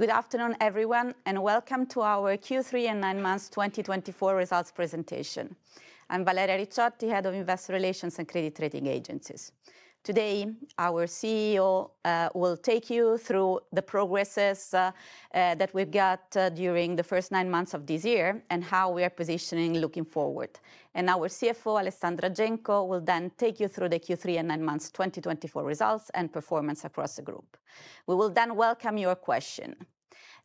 Good afternoon, everyone, and welcome to our Q3 and 9 Months 2024 results presentation. I'm Valeria Ricciotti, Head of Investor Relations and Credit Rating Agencies. Today, our CEO will take you through the progress that we've got during the first nine months of this year and how we are positioning looking forward. And our CFO, Alessandra Genco, will then take you through the Q3 and 9 Months 2024 results and performance across the group. We will then welcome your questions.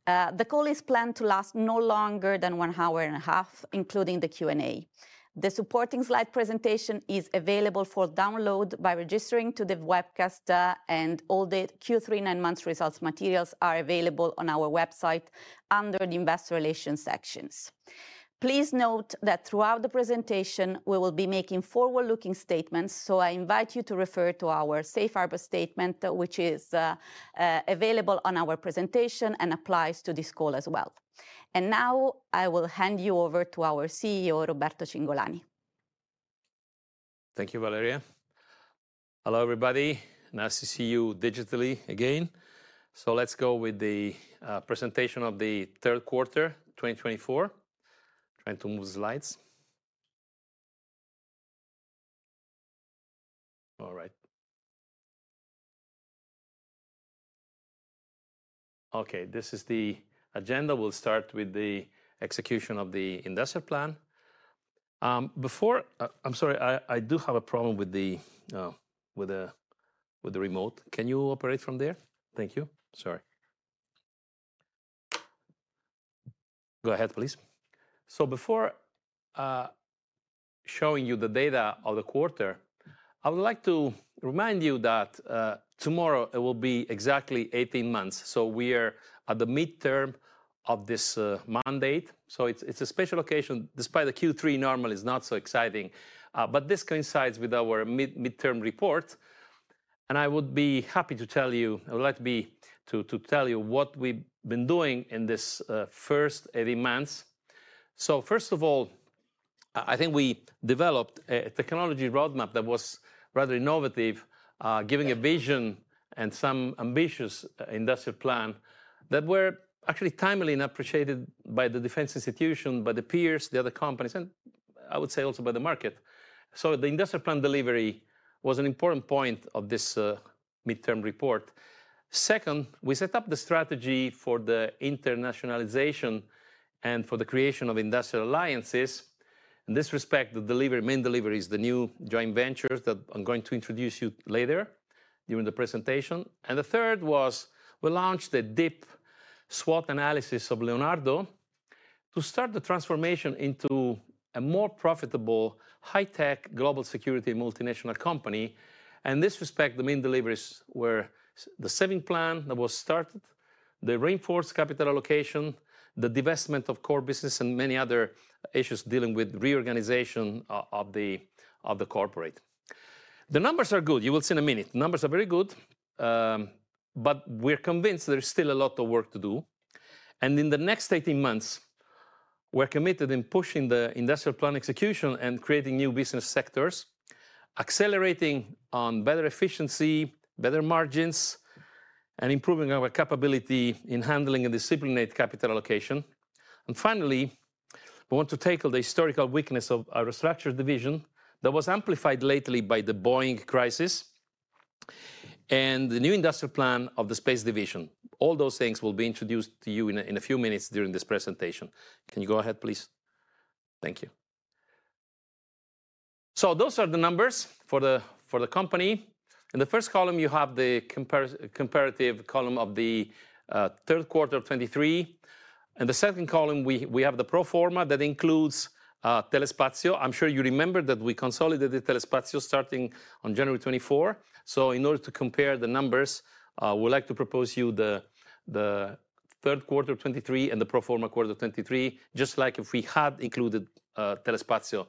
The call is planned to last no longer than one hour and a half, including the Q&A. The supporting slide presentation is available for download by registering to the webcast, and all the Q3 and 9 Months results materials are available on our website under the Investor Relations sections. Please note that throughout the presentation, we will be making forward-looking statements, so I invite you to refer to our Safe Harbor statement, which is available on our presentation and applies to this call as well. And now I will hand you over to our CEO, Roberto Cingolani. Thank you, Valeria. Hello, everybody. Nice to see you digitally again. So let's go with the presentation of the third quarter 2024. Trying to move the slides. All right. Okay, this is the agenda. We'll start with the execution of the Industrial Plan. before. I'm sorry, I do have a problem with the remote. Can you operate from there? Thank you. Sorry. Go ahead, please. So before showing you the data of the quarter, I would like to remind you that tomorrow it will be exactly 18 months. So we are at the midterm of this mandate. So it's a special occasion. Despite the Q3 normal, it's not so exciting. But this coincides with our midterm report. And I would like to tell you what we've been doing in this first 18 months. So first of all, I think we developed a technology roadmap that was rather innovative, giving a vision and some ambitious Industrial Plan that were actually timely and appreciated by the defense institution, by the peers, the other companies, and I would say also by the market. So the Industrial Plan delivery was an important point of this midterm report. Second, we set up the strategy for the internationalization and for the creation of industrial alliances. In this respect, the main delivery is the new joint ventures that I'm going to introduce you later during the presentation. And the third was we launched the deep SWOT analysis of Leonardo to start the transformation into a more profitable high-tech global security multinational company. In this respect, the main deliveries were the savings plan that was started, the reinforced capital allocation, the divestment of core business, and many other issues dealing with reorganization of the corporate. The numbers are good. You will see in a minute. The numbers are very good. We're convinced there is still a lot of work to do. In the next 18 months, we're committed in pushing the Industrial Plan execution and creating new business sectors, accelerating on better efficiency, better margins, and improving our capability in handling and disciplining capital allocation. Finally, we want to tackle the historical weakness of our Aerostructures Division that was amplified lately by the Boeing crisis and the new Industrial Plan of the Space Division. All those things will be introduced to you in a few minutes during this presentation. Can you go ahead, please? Thank you. Those are the numbers for the company. In the first column, you have the comparative column of the third quarter of 2023. In the second column, we have the pro forma that includes Telespazio. I'm sure you remember that we consolidated Telespazio starting on January 2024. So in order to compare the numbers, we'd like to propose you the third quarter of 2023 and the pro forma quarter of 2023, just like if we had included Telespazio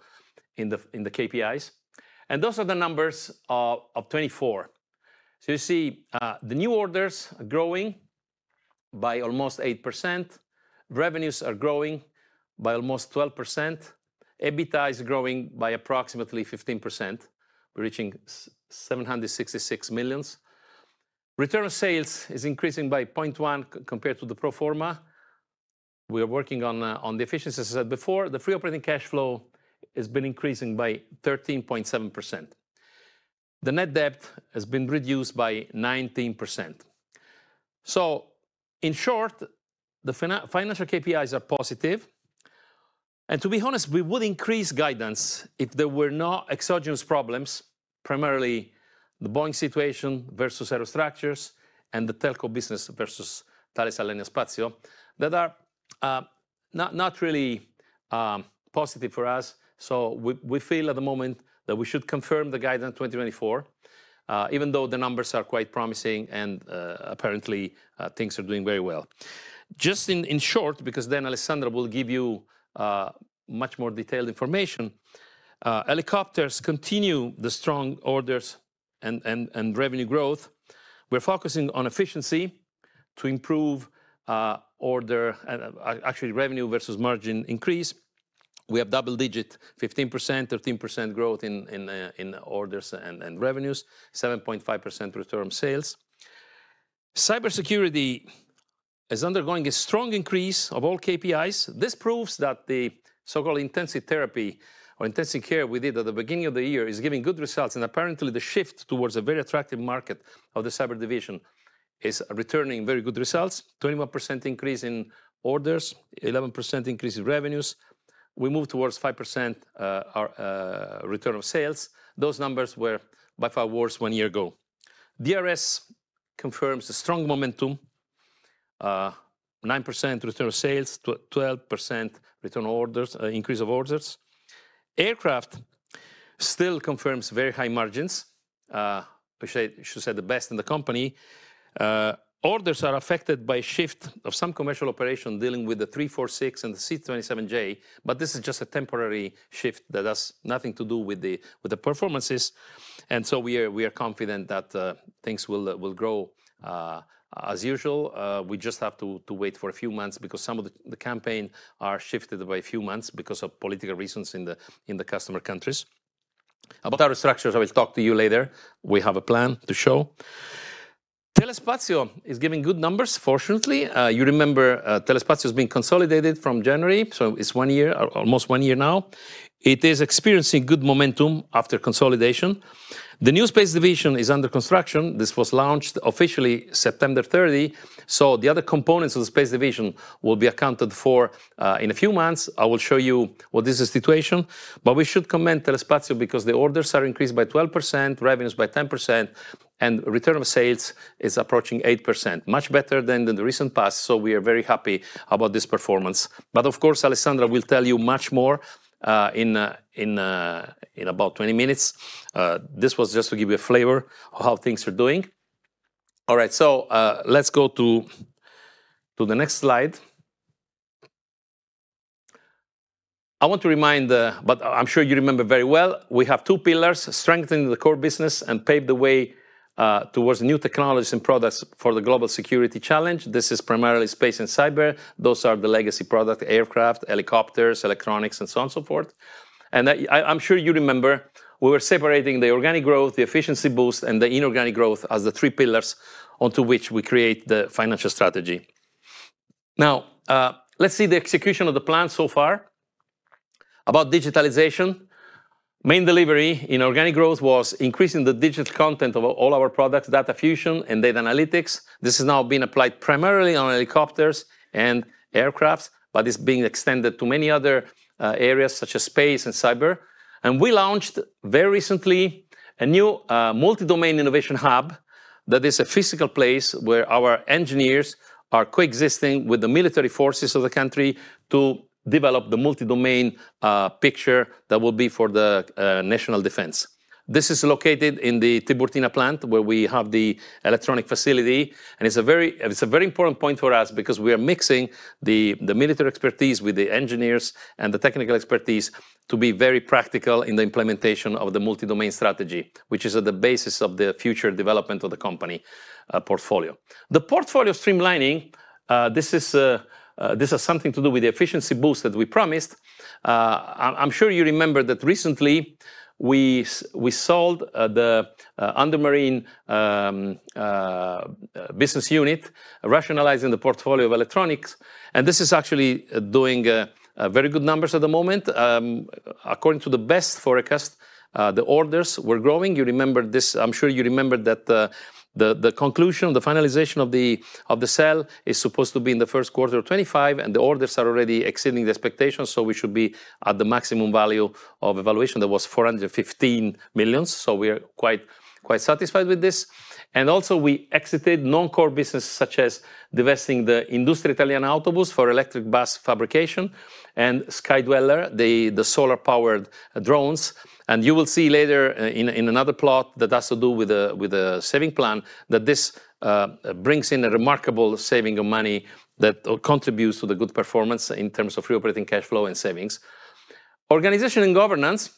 in the KPIs. And those are the numbers of 2024. So you see the new orders are growing by almost 8%. Revenues are growing by almost 12%. EBITDA is growing by approximately 15%. We're reaching 766 million. Return on sales is increasing by 0.1 compared to the pro forma. We are working on the efficiencies, as I said before. The free operating cash flow has been increasing by 13.7%. The net debt has been reduced by 19%, so in short, the financial KPIs are positive, and to be honest, we would increase guidance if there were no exogenous problems, primarily the Boeing situation versus Aerostructures and the Telespazio business versus Thales Alenia Space that are not really positive for us, so we feel at the moment that we should confirm the guidance 2024, even though the numbers are quite promising and apparently things are doing very well. Just in short, because then Alessandra will give you much more detailed information, helicopters continue the strong orders and revenue growth. We're focusing on efficiency to improve order, actually revenue versus margin increase. We have double-digit 15%, 13% growth in orders and revenues, 7.5% return on sales. Cybersecurity is undergoing a strong increase of all KPIs. This proves that the so-called intensive therapy or intensive care we did at the beginning of the year is giving good results, and apparently, the shift towards a very attractive market of the Cyber Division is returning very good results. 21% increase in orders, 11% increase in revenues. We moved towards 5% return on sales. Those numbers were by far worse one year ago. DRS confirms a strong momentum, 9% return on sales, 12% return on orders, increase of orders. Aircraft still confirms very high margins, which I should say the best in the company. Orders are affected by a shift of some commercial operation dealing with the M-346 and the C-27J, but this is just a temporary shift that has nothing to do with the performances, and so we are confident that things will grow as usual. We just have to wait for a few months because some of the campaigns are shifted by a few months because of political reasons in the customer countries. About Aerostructures, I will talk to you later. We have a plan to show. Telespazio is giving good numbers, fortunately. You remember Telespazio has been consolidated from January, so it's one year, almost one year now. It is experiencing good momentum after consolidation. The new Space Division is under construction. This was launched officially September 30, so the other components of the Space Division will be accounted for in a few months. I will show you what this situation is, but we should commend Telespazio because the orders are increased by 12%, revenues by 10%, and return on sales is approaching 8%. Much better than in the recent past, so we are very happy about this performance. But of course, Alessandra will tell you much more in about 20 minutes. This was just to give you a flavor of how things are doing. All right, so let's go to the next slide. I want to remind, but I'm sure you remember very well, we have two pillars: strengthening the core business and paving the way towards new technologies and products for the global security challenge. This is primarily space and cyber. Those are the legacy product: aircraft, helicopters, electronics, and so on and so forth. And I'm sure you remember we were separating the organic growth, the efficiency boost, and the inorganic growth as the three pillars onto which we create the financial strategy. Now, let's see the execution of the plan so far. About digitalization, main delivery in organic growth was increasing the digital content of all our products, data fusion, and data analytics. This has now been applied primarily on helicopters and aircraft, but it's being extended to many other areas such as space and cyber. And we launched very recently a new multi-domain innovation hub that is a physical place where our engineers are coexisting with the military forces of the country to develop the multi-domain picture that will be for the national defense. This is located in the Tiburtina plant where we have the electronic facility. And it's a very important point for us because we are mixing the military expertise with the engineers and the technical expertise to be very practical in the implementation of the multi-domain strategy, which is at the basis of the future development of the company portfolio. The portfolio streamlining, this has something to do with the efficiency boost that we promised. I'm sure you remember that recently we sold the Underwater business unit, rationalizing the portfolio of electronics, and this is actually doing very good numbers at the moment. According to the best forecast, the orders were growing. You remember this. I'm sure you remember that the conclusion of the finalization of the sale is supposed to be in the first quarter of 2025, and the orders are already exceeding the expectations, so we should be at the maximum value of evaluation that was 415 million. So we are quite satisfied with this, and also, we exited non-core businesses such as divesting the Industria Italiana Autobus for electric bus fabrication and Skydweller, the solar-powered drones. You will see later in another plot that has to do with the saving plan that this brings in a remarkable saving of money that contributes to the good performance in terms of free operating cash flow and savings. Organization and governance,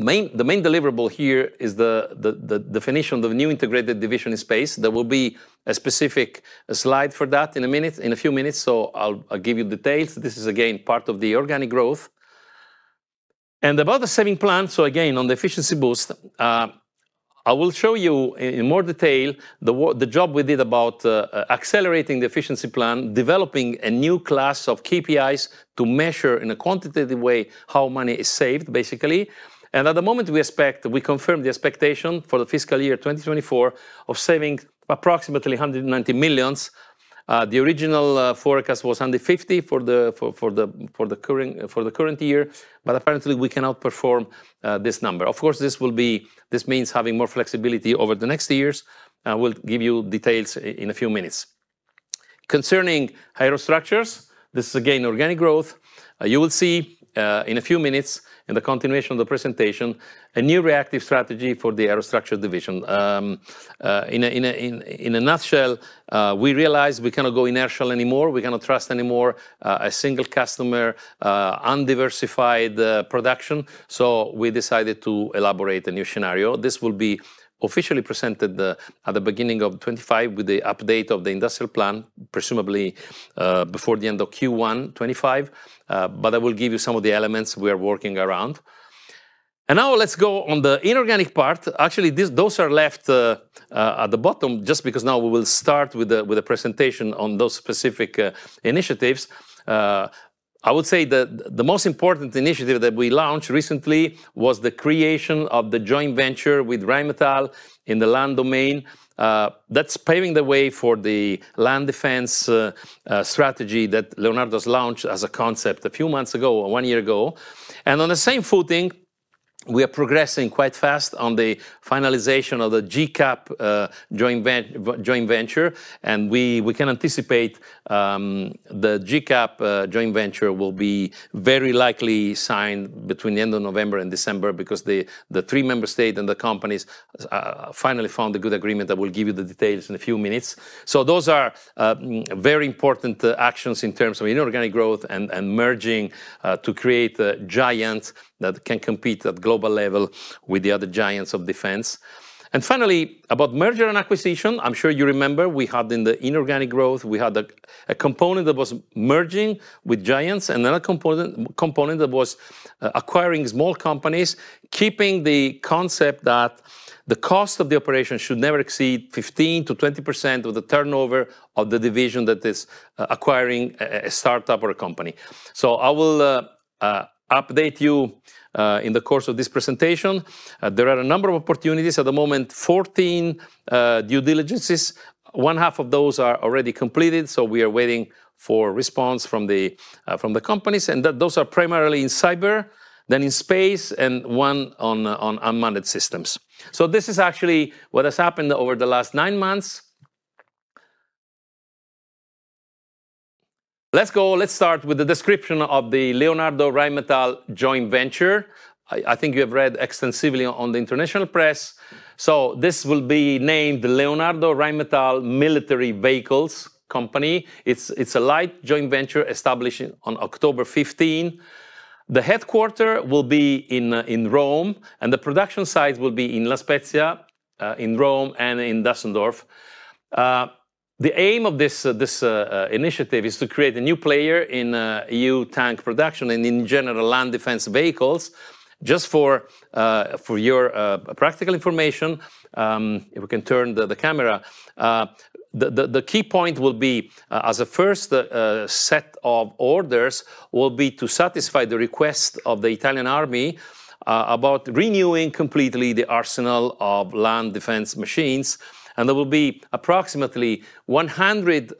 the main deliverable here is the definition of the new integrated division in space. There will be a specific slide for that in a minute, in a few minutes. I'll give you details. This is again part of the organic growth. About the saving plan, again, on the efficiency boost, I will show you in more detail the job we did about accelerating the efficiency plan, developing a new class of KPIs to measure in a quantitative way how money is saved, basically. At the moment, we confirm the expectation for the fiscal year 2024 of saving approximately 190 million. The original forecast was 150 for the current year, but apparently we cannot perform this number. Of course, this means having more flexibility over the next years. I will give you details in a few minutes. Concerning Aerostructures, this is again organic growth. You will see in a few minutes in the continuation of the presentation a new reactive strategy for the Aerostructure Division. In a nutshell, we realized we cannot go inertial anymore. We cannot trust anymore a single customer, undiversified production. So we decided to elaborate a new scenario. This will be officially presented at the beginning of 2025 with the update of the Industrial Plan, presumably before the end of Q1 2025. But I will give you some of the elements we are working around. Now let's go on the inorganic part. Actually, those are left at the bottom just because now we will start with a presentation on those specific initiatives. I would say that the most important initiative that we launched recently was the creation of the joint venture with Rheinmetall in the land domain. That's paving the way for the land defense strategy that Leonardo has launched as a concept a few months ago, one year ago. And on the same footing, we are progressing quite fast on the finalization of the GCAP joint venture. And we can anticipate the GCAP joint venture will be very likely signed between the end of November and December because the three member states and the companies finally found a good agreement that will give you the details in a few minutes. So those are very important actions in terms of inorganic growth and merging to create a giant that can compete at global level with the other giants of defense. And finally, about merger and acquisition, I'm sure you remember, we had in the inorganic growth, we had a component that was merging with giants and another component that was acquiring small companies, keeping the concept that the cost of the operation should never exceed 15%-20% of the turnover of the division that is acquiring a startup or a company. So I will update you in the course of this presentation. There are a number of opportunities at the moment, 14 due diligences. One half of those are already completed. So we are waiting for response from the companies. And those are primarily in cyber, then in space, and one on unmanned systems. So this is actually what has happened over the last nine months. Let's start with the description of the Leonardo Rheinmetall joint venture. I think you have read extensively on the international press. So this will be named Leonardo Rheinmetall Military Vehicles Company. It's a light joint venture established on October 15. The headquarters will be in Rome, and the production sites will be in La Spezia, in Rome, and in Dusseldorf. The aim of this initiative is to create a new player in E.U. tank production and in general land defense vehicles. Just for your practical information, if we can turn the camera, the key point will be as a first set of orders will be to satisfy the request of the Italian Army about renewing completely the arsenal of land defense machines. There will be approximately 100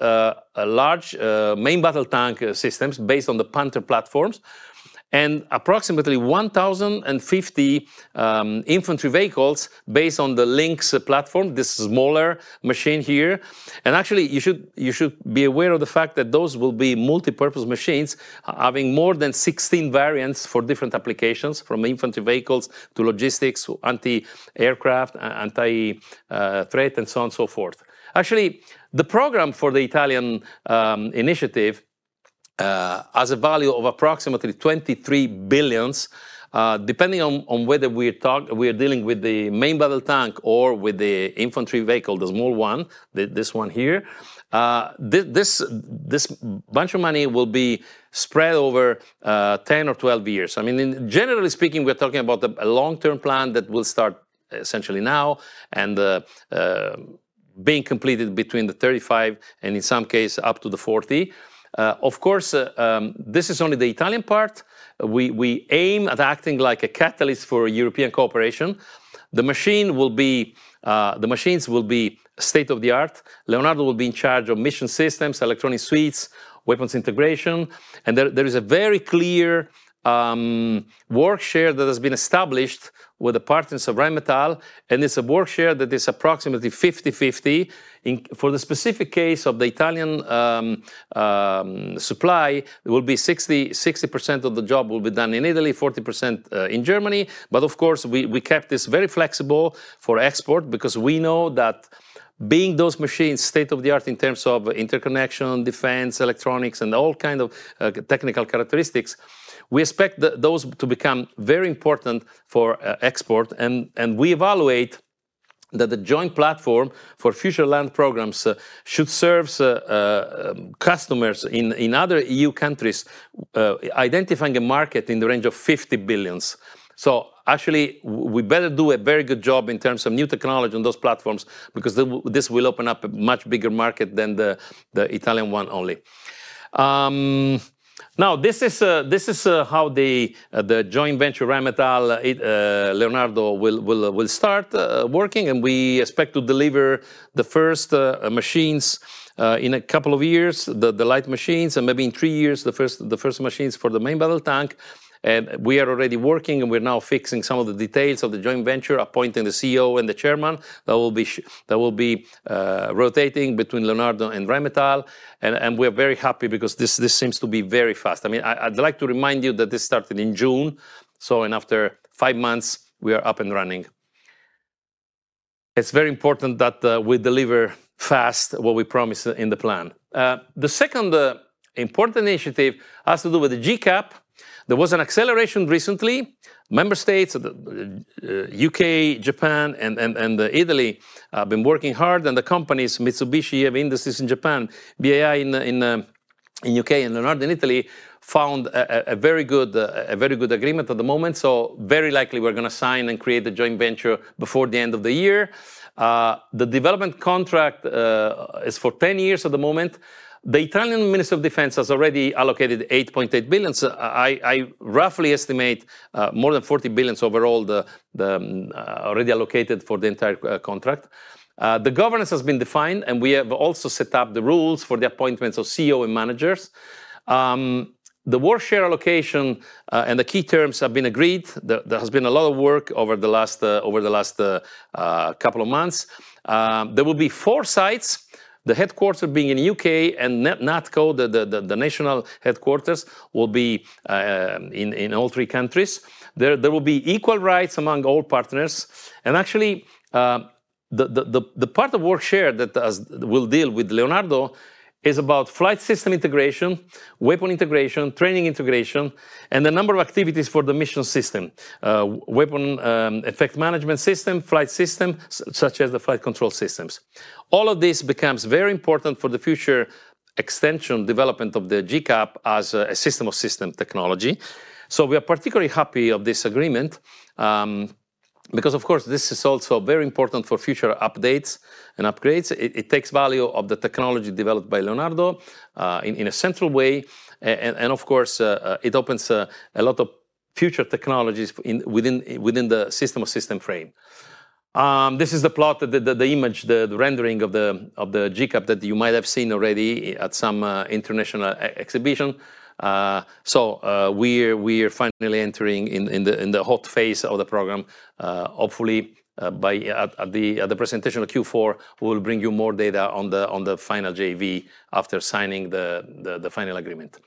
large main battle tank systems based on the Panther platforms and approximately 1,050 infantry vehicles based on the Lynx platform, this smaller machine here. Actually, you should be aware of the fact that those will be multipurpose machines having more than 16 variants for different applications from infantry vehicles to logistics, anti-aircraft, anti-threat, and so on and so forth. Actually, the program for the Italian initiative has a value of approximately 23 billion. Depending on whether we are dealing with the main battle tank or with the infantry vehicle, the small one, this one here, this bunch of money will be spread over 10 or 12 years. I mean, generally speaking, we're talking about a long-term plan that will start essentially now and being completed between 2035 and in some cases up to 2040. Of course, this is only the Italian part. We aim at acting like a catalyst for European cooperation. The machines will be state-of-the-art. Leonardo will be in charge of mission systems, electronic suites, weapons integration, and there is a very clear work share that has been established with the partners of Rheinmetall, and it's a work share that is approximately 50-50. For the specific case of the Italian supply, it will be 60% of the job will be done in Italy, 40% in Germany, but of course, we kept this very flexible for export because we know that being those machines state-of-the-art in terms of interconnection, defense, electronics, and all kinds of technical characteristics, we expect those to become very important for export, and we evaluate that the joint platform for future land programs should serve customers in other EU countries identifying a market in the range of 50 billion. So actually, we better do a very good job in terms of new technology on those platforms because this will open up a much bigger market than the Italian one only. Now, this is how the joint venture Rheinmetall Leonardo will start working. And we expect to deliver the first machines in a couple of years, the light machines, and maybe in three years, the first machines for the main battle tank. And we are already working, and we're now fixing some of the details of the joint venture, appointing the CEO and the chairman that will be rotating between Leonardo and Rheinmetall. And we are very happy because this seems to be very fast. I mean, I'd like to remind you that this started in June. So, after five months, we are up and running. It's very important that we deliver fast what we promised in the plan. The second important initiative has to do with the GCAP. There was an acceleration recently. Member states, the U.K., Japan, and Italy have been working hard. The companies, Mitsubishi Heavy Industries in Japan, BAE Systems in the U.K., and Leonardo in Italy found a very good agreement at the moment. Very likely we're going to sign and create a joint venture before the end of the year. The development contract is for 10 years at the moment. The Italian Ministry of Defense has already allocated 8.8 billion. I roughly estimate more than 40 billion overall already allocated for the entire contract. The governance has been defined, and we have also set up the rules for the appointments of CEO and managers. The work share allocation and the key terms have been agreed. There has been a lot of work over the last couple of months. There will be four sites, the headquarters being in the UK and NATO, the national headquarters will be in all three countries. There will be equal rights among all partners. And actually, the part of work share that will deal with Leonardo is about flight system integration, weapon integration, training integration, and the number of activities for the mission system, weapon effect management system, flight system, such as the flight control systems. All of this becomes very important for the future extension development of the GCAP as a System of Systems technology. So we are particularly happy of this agreement because, of course, this is also very important for future updates and upgrades. It takes value of the technology developed by Leonardo in a central way. And of course, it opens a lot of future technologies within the System of Systems frame. This is the plot, the image, the rendering of the GCAP that you might have seen already at some international exhibition. So we are finally entering in the hot phase of the program. Hopefully, at the presentation of Q4, we will bring you more data on the final JV after signing the final agreement.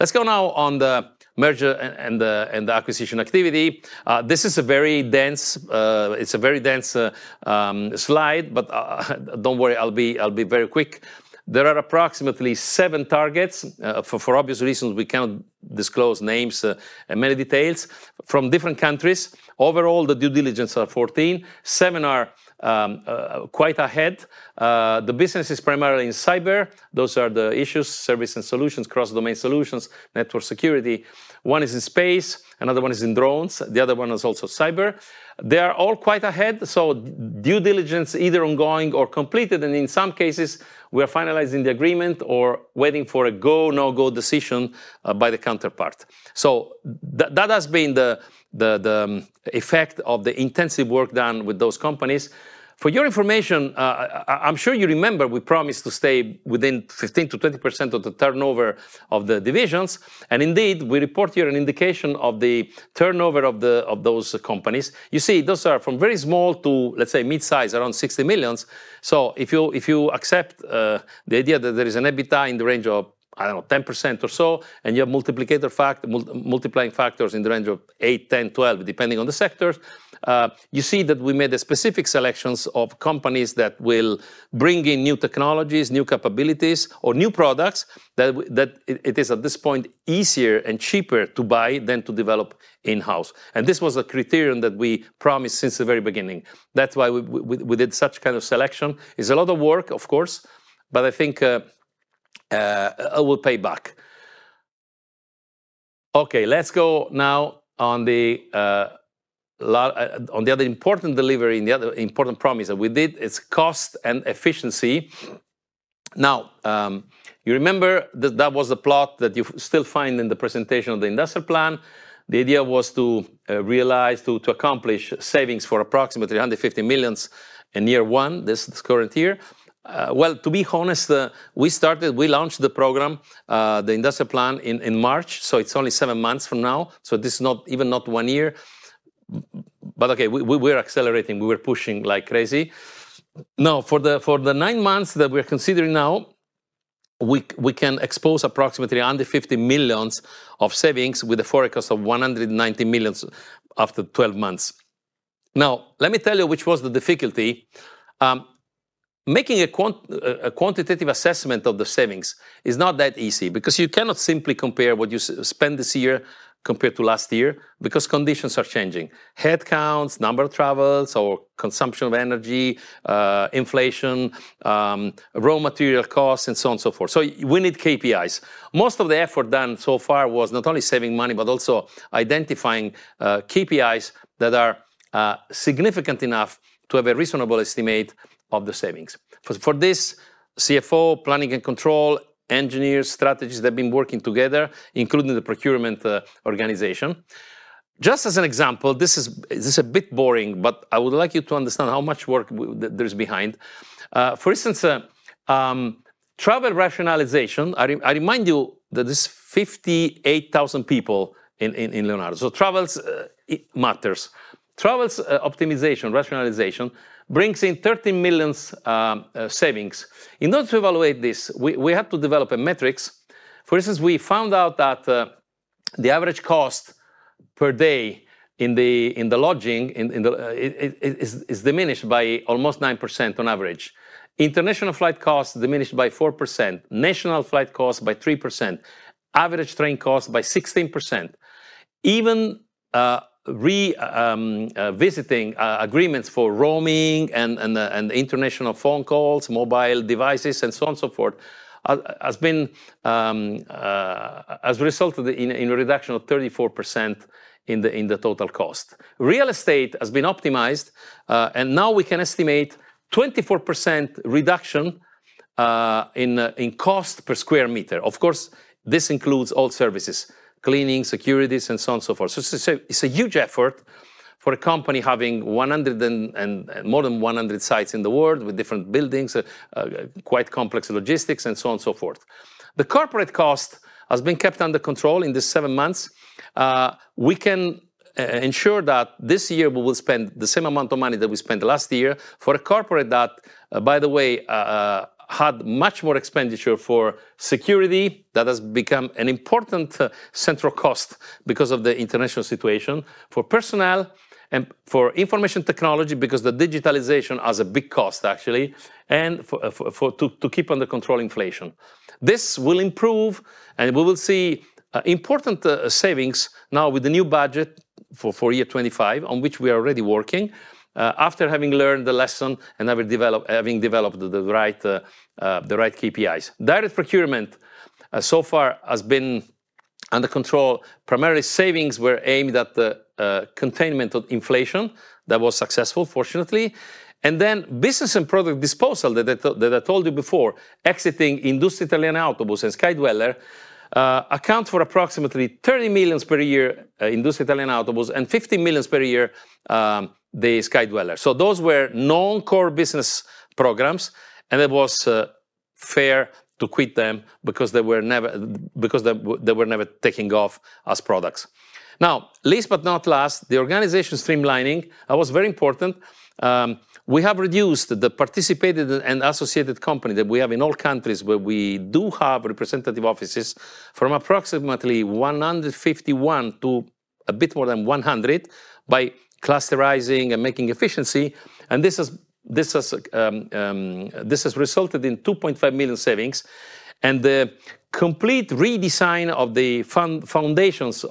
Let's go now on the merger and the acquisition activity. This is a very dense slide, but don't worry, I'll be very quick. There are approximately seven targets. For obvious reasons, we cannot disclose names and many details from different countries. Overall, the due diligence are 14. Seven are quite ahead. The business is primarily in cyber. Those are the issues, service and solutions, cross-domain solutions, network security. One is in space. Another one is in drones. The other one is also cyber. They are all quite ahead. So due diligence either ongoing or completed. And in some cases, we are finalizing the agreement or waiting for a go, no-go decision by the counterpart. So that has been the effect of the intensive work done with those companies. For your information, I'm sure you remember we promised to stay within 15%-20% of the turnover of the divisions. And indeed, we report here an indication of the turnover of those companies. You see, those are from very small to, let's say, mid-size, around 60 million. So if you accept the idea that there is an EBITDA in the range of, I don't know, 10% or so, and you have multiplier factors, multiplying factors in the range of eight, 10, 12, depending on the sectors, you see that we made specific selections of companies that will bring in new technologies, new capabilities, or new products that it is at this point easier and cheaper to buy than to develop in-house, and this was a criterion that we promised since the very beginning. That's why we did such kind of selection. It's a lot of work, of course, but I think it will pay back. Okay, let's go now on the other important delivery, the other important promise that we did. It's cost and efficiency. Now, you remember that was the plot that you still find in the presentation of the Industrial Plan. The idea was to realize, to accomplish savings for approximately 150 million in year one, this current year. Well, to be honest, we started, we launched the program, the Industrial Plan in March. So it's only seven months from now. So this is not even one year. But okay, we are accelerating. We were pushing like crazy. Now, for the nine months that we're considering now, we can expose approximately under 50 million of savings with a forecast of 190 million after 12 months. Now, let me tell you which was the difficulty. Making a quantitative assessment of the savings is not that easy because you cannot simply compare what you spend this year compared to last year because conditions are changing. Headcounts, number of travels, or consumption of energy, inflation, raw material costs, and so on and so forth. So we need KPIs. Most of the effort done so far was not only saving money, but also identifying KPIs that are significant enough to have a reasonable estimate of the savings. For this, CFO, planning and control, engineers, strategists that have been working together, including the procurement organization. Just as an example, this is a bit boring, but I would like you to understand how much work there is behind. For instance, travel rationalization. I remind you that there's 58,000 people in Leonardo. So travel matters. Travel optimization, rationalization brings in 30 million savings. In order to evaluate this, we had to develop a metric. For instance, we found out that the average cost per day in the lodging is diminished by almost 9% on average. International flight costs diminished by 4%. National flight costs by 3%. Average train cost by 16%. Even revisiting agreements for roaming and international phone calls, mobile devices, and so on and so forth has resulted in a reduction of 34% in the total cost. Real estate has been optimized, and now we can estimate 24% reduction in cost per square meter. Of course, this includes all services, cleaning, securities, and so on and so forth. So it's a huge effort for a company having more than 100 sites in the world with different buildings, quite complex logistics, and so on and so forth. The corporate cost has been kept under control in these seven months. We can ensure that this year we will spend the same amount of money that we spent last year for a corporate that, by the way, had much more expenditure for security. That has become an important central cost because of the international situation for personnel and for information technology because the digitalization has a big cost, actually, and to keep under control inflation. This will improve, and we will see important savings now with the new budget for year 25, on which we are already working after having learned the lesson and having developed the right KPIs. Direct procurement so far has been under control. Primarily, savings were aimed at the containment of inflation. That was successful, fortunately. And then business and product disposal that I told you before, exiting Industria Italiana Autobus and Skydweller, account for approximately 30 million per year Industria Italiana Autobus and 15 million per year the Skydweller. So those were non-core business programs, and it was fair to quit them because they were never taking off as products. Now, least but not last, the organization streamlining was very important. We have reduced the participated and associated company that we have in all countries where we do have representative offices from approximately 151 to a bit more than 100 by clusterizing and making efficiency, and this has resulted in 2.5 million savings, and the complete redesign of the foundations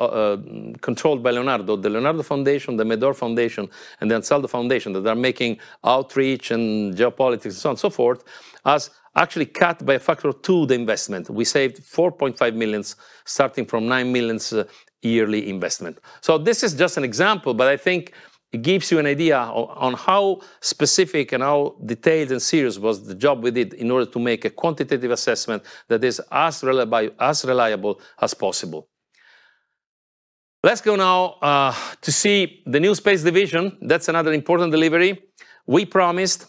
controlled by Leonardo, the Leonardo Foundation, the Med-Or Foundation, and the Ansaldo Foundation that are making outreach and geopolitics and so on and so forth has actually cut by a factor of two the investment. We saved 4.5 million starting from 9 million yearly investment, so this is just an example, but I think it gives you an idea on how specific and how detailed and serious was the job we did in order to make a quantitative assessment that is as reliable as possible. Let's go now to see the new Space Division. That's another important delivery. We promised,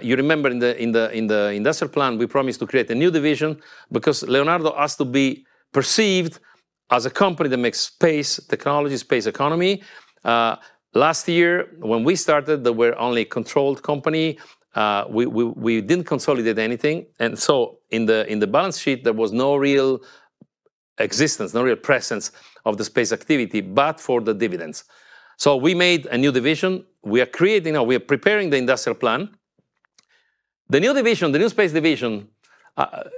you remember in the Industrial Plan, we promised to create a new division because Leonardo has to be perceived as a company that makes space technology, space economy. Last year, when we started, there were only a controlled company. We didn't consolidate anything. And so in the balance sheet, there was no real existence, no real presence of the space activity, but for the dividends. So we made a new division. We are creating, we are preparing the Industrial Plan. The new division, the new Space Division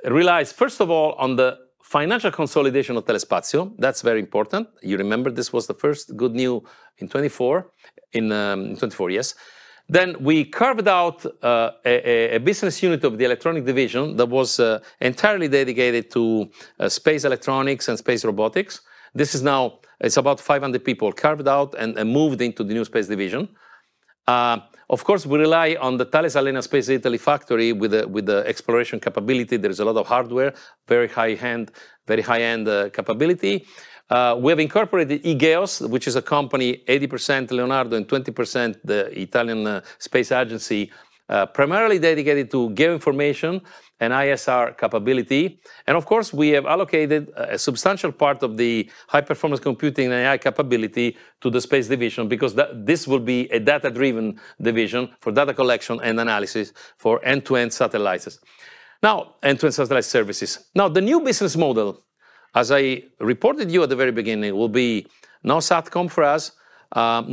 realized, first of all, on the financial consolidation of Telespazio. That's very important. You remember this was the first good news in 2024, in 2024, yes. Then we carved out a business unit of the Electronics Division that was entirely dedicated to space electronics and space robotics. This is now. It's about 500 people carved out and moved into the new Space Division. Of course, we rely on the Thales Alenia Space Italy factory with the exploration capability. There is a lot of hardware, very high-end capability. We have incorporated e-GEOS, which is a company 80% Leonardo and 20% the Italian Space Agency, primarily dedicated to geoinformation and ISR capability. And of course, we have allocated a substantial part of the high-performance computing and AI capability to the Space Division because this will be a data-driven division for data collection and analysis for end-to-end satellites. Now, end-to-end satellite services. Now, the new business model, as I reported to you at the very beginning, will be no satcom for us,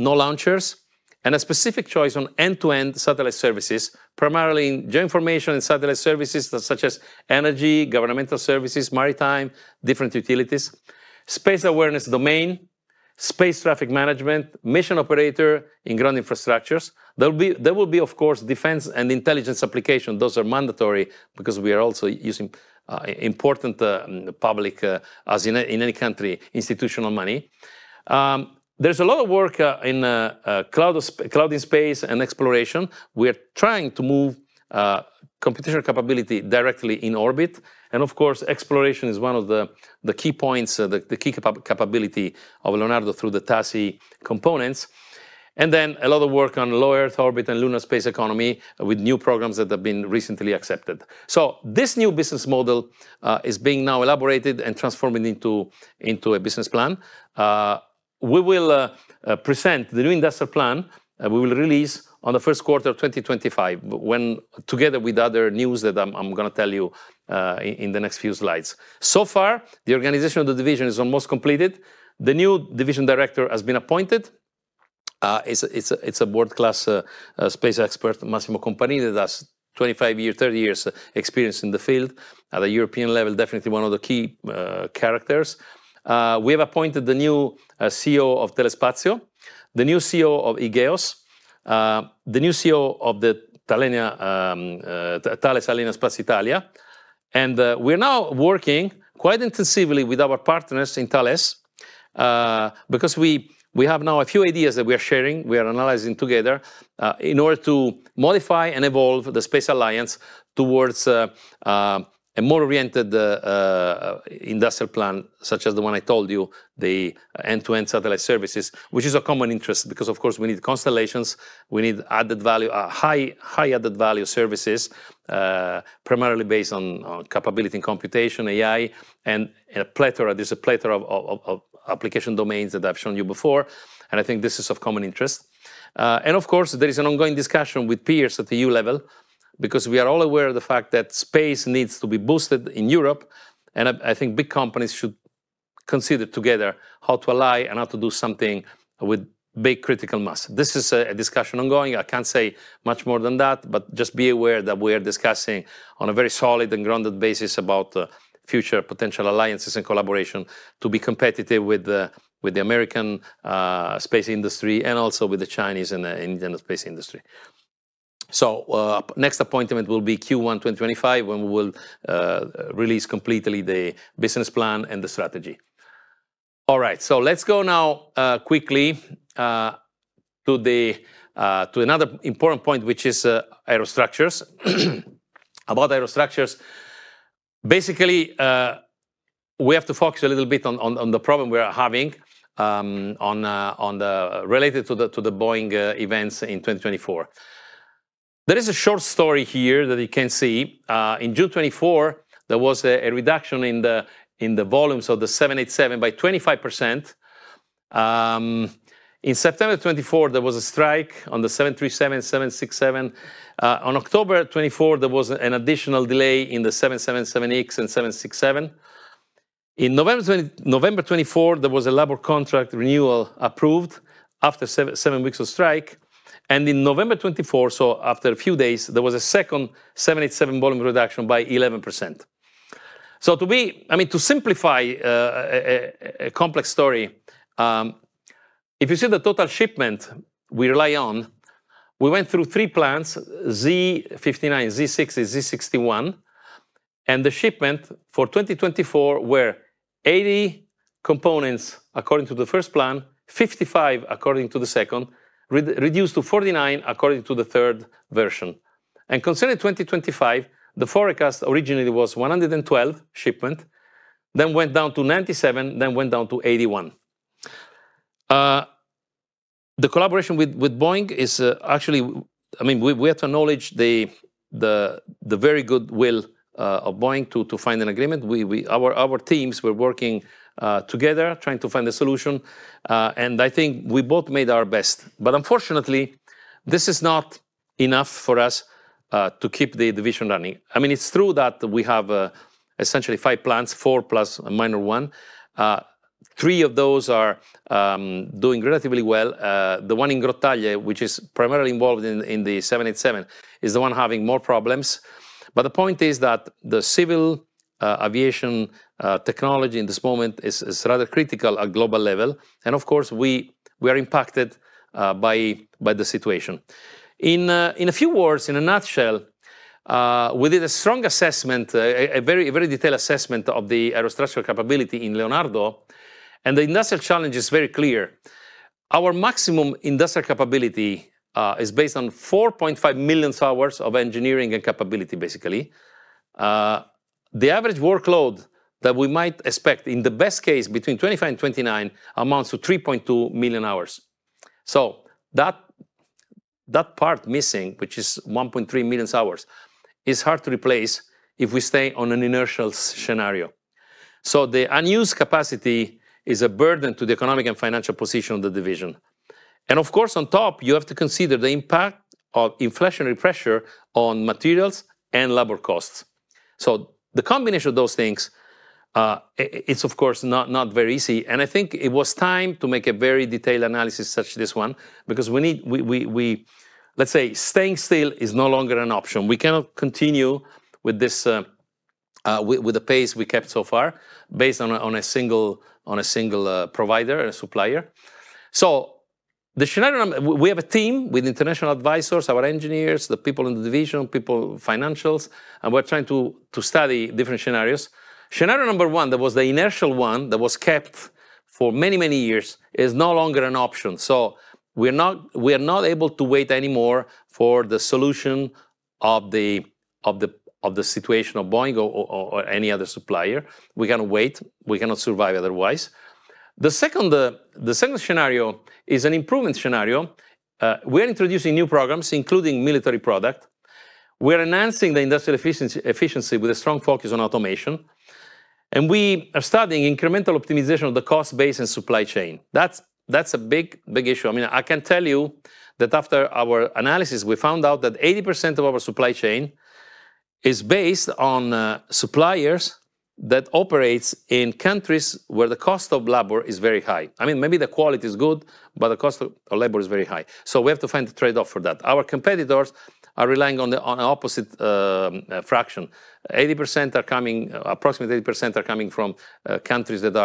no launchers, and a specific choice on end-to-end satellite services, primarily in geoinformation and satellite services such as energy, governmental services, maritime, different utilities, space awareness domain, space traffic management, mission operator in ground infrastructures. There will be, of course, defense and intelligence applications. Those are mandatory because we are also using important public, as in any country, institutional money. There's a lot of work in cloud in space and exploration. We are trying to move computational capability directly in orbit, and of course, exploration is one of the key points, the key capability of Leonardo through the Thales Alenia Space components, and then a lot of work on low Earth orbit and lunar space economy with new programs that have been recently accepted. So this new business model is being now elaborated and transformed into a business plan. We will present the new Industrial Plan. We will release on the first quarter of 2025 when together with other news that I'm going to tell you in the next few slides. So far, the organization of the division is almost completed. The new division director has been appointed. It's a world-class space expert, Massimo Comparini, that has 25 years, 30 years experience in the field at a European level, definitely one of the key characters. We have appointed the new CEO of Telespazio, the new CEO of e-GEOS, the new CEO of the Thales Alenia Space. And we're now working quite intensively with our partners in Thales because we have now a few ideas that we are sharing. We are analyzing together in order to modify and evolve the Space Alliance towards a more oriented Industrial Plan, such as the one I told you, the end-to-end satellite services, which is a common interest because, of course, we need constellations. We need high-added value services, primarily based on capability and computation, AI, and a plethora. There's a plethora of application domains that I've shown you before, and I think this is of common interest, and of course, there is an ongoing discussion with peers at the EU level because we are all aware of the fact that space needs to be boosted in Europe, and I think big companies should consider together how to align and how to do something with big critical mass. This is a discussion ongoing. I can't say much more than that, but just be aware that we are discussing on a very solid and grounded basis about future potential alliances and collaboration to be competitive with the American space industry and also with the Chinese and the Indian space industry. So next appointment will be Q1 2025 when we will release completely the business plan and the strategy. All right, so let's go now quickly to another important point, which is aerostructures. Basically, we have to focus a little bit on the problem we are having related to the Boeing events in 2024. There is a short story here that you can see. In June 2024, there was a reduction in the volumes of the 787 by 25%. In September 2024, there was a strike on the 737, 767. On October 2024, there was an additional delay in the 777X and 767. In November 2024, there was a labor contract renewal approved after seven weeks of strike. And in November 2024, so after a few days, there was a second 787 volume reduction by 11%. So to simplify a complex story, if you see the total shipment we rely on, we went through three plans, Z59, Z60, Z61. And the shipment for 2024 were 80 components according to the first plan, 55 according to the second, reduced to 49 according to the third version. And considering 2025, the forecast originally was 112 shipment, then went down to 97, then went down to 81. The collaboration with Boeing is actually, I mean, we have to acknowledge the very good will of Boeing to find an agreement. Our teams were working together trying to find a solution. And I think we both made our best. But unfortunately, this is not enough for us to keep the division running. I mean, it's true that we have essentially five plants, four plus a minor one. Three of those are doing relatively well. The one in Grottaglie, which is primarily involved in the 787, is the one having more problems. But the point is that the civil aviation technology in this moment is rather critical at global level. And of course, we are impacted by the situation. In a few words, in a nutshell, we did a strong assessment, a very detailed assessment of the aerospace capability in Leonardo. And the industrial challenge is very clear. Our maximum industrial capability is based on 4.5 million hours of engineering and capability, basically. The average workload that we might expect in the best case between 2025 and 2029 amounts to 3.2 million hours. So that part missing, which is 1.3 million hours, is hard to replace if we stay on an inertial scenario. So the unused capacity is a burden to the economic and financial position of the division. And of course, on top, you have to consider the impact of inflationary pressure on materials and labor costs. So the combination of those things, it's of course not very easy. And I think it was time to make a very detailed analysis such as this one because we need, let's say, staying still is no longer an option. We cannot continue with the pace we kept so far based on a single provider and supplier. So we have a team with international advisors, our engineers, the people in the division, people, financials, and we're trying to study different scenarios. Scenario number one, that was the inertial one that was kept for many, many years, is no longer an option, so we are not able to wait anymore for the solution of the situation of Boeing or any other supplier. We cannot wait. We cannot survive otherwise. The second scenario is an improvement scenario. We are introducing new programs, including military product. We are enhancing the industrial efficiency with a strong focus on automation, and we are studying incremental optimization of the cost base and supply chain. That's a big issue. I mean, I can tell you that after our analysis, we found out that 80% of our supply chain is based on suppliers that operate in countries where the cost of labor is very high. I mean, maybe the quality is good, but the cost of labor is very high, so we have to find a trade-off for that. Our competitors are relying on the opposite fraction. 80% are coming, approximately 80% are coming from countries that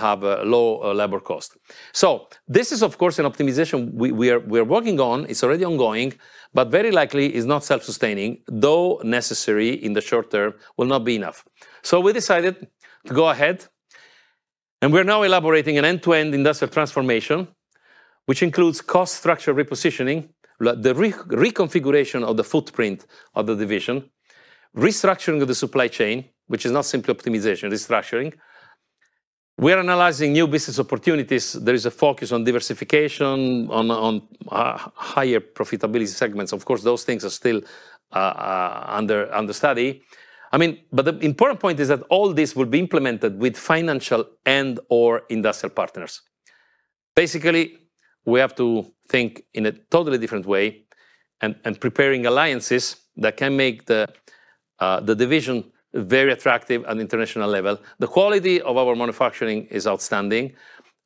have low labor cost. So this is, of course, an optimization we are working on. It's already ongoing, but very likely is not self-sustaining, though necessary in the short term will not be enough. So we decided to go ahead. And we're now elaborating an end-to-end industrial transformation, which includes cost structure repositioning, the reconfiguration of the footprint of the division, restructuring of the supply chain, which is not simply optimization, restructuring. We are analyzing new business opportunities. There is a focus on diversification, on higher profitability segments. Of course, those things are still under study. I mean, but the important point is that all this will be implemented with financial and/or industrial partners. Basically, we have to think in a totally different way and prepare alliances that can make the division very attractive at the international level. The quality of our manufacturing is outstanding.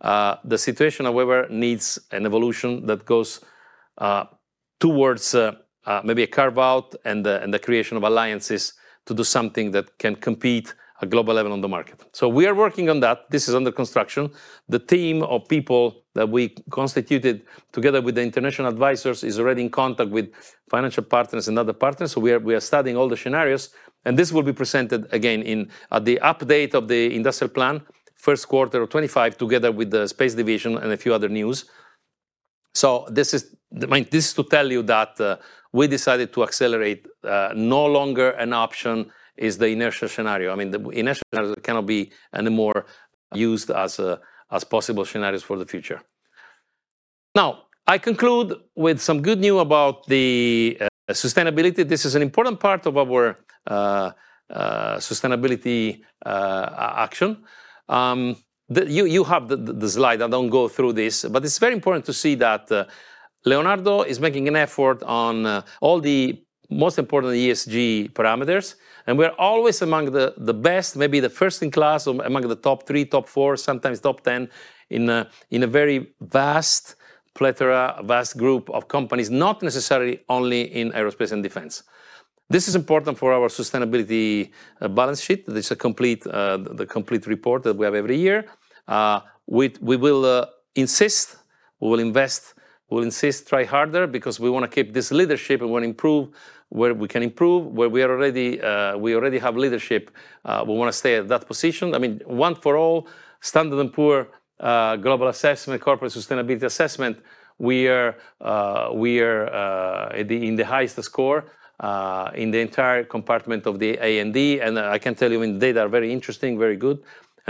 The situation, however, needs an evolution that goes towards maybe a carve-out and the creation of alliances to do something that can compete at a global level on the market. So we are working on that. This is under construction. The team of people that we constituted together with the international advisors is already in contact with financial partners and other partners. So we are studying all the scenarios. And this will be presented again at the update of the Industrial Plan, first quarter of 2025, together with the Space Division and a few other news. So this is to tell you that we decided to accelerate. No longer an option is the inertial scenario. I mean, the inertial scenarios cannot be any more used as possible scenarios for the future. Now, I conclude with some good news about the sustainability. This is an important part of our sustainability action. You have the slide. I don't go through this, but it's very important to see that Leonardo is making an effort on all the most important ESG parameters, and we are always among the best, maybe the first in class, among the top three, top four, sometimes top ten in a very vast plethora, vast group of companies, not necessarily only in aerospace and defense. This is important for our sustainability balance sheet. It's a complete report that we have every year. We will insist, we will invest, we will insist, try harder because we want to keep this leadership and want to improve where we can improve, where we already have leadership. We want to stay at that position. I mean, overall, S&P Global Corporate Sustainability Assessment, we are in the highest score in the entire segment of the A&D. I can tell you that the data are very interesting, very good.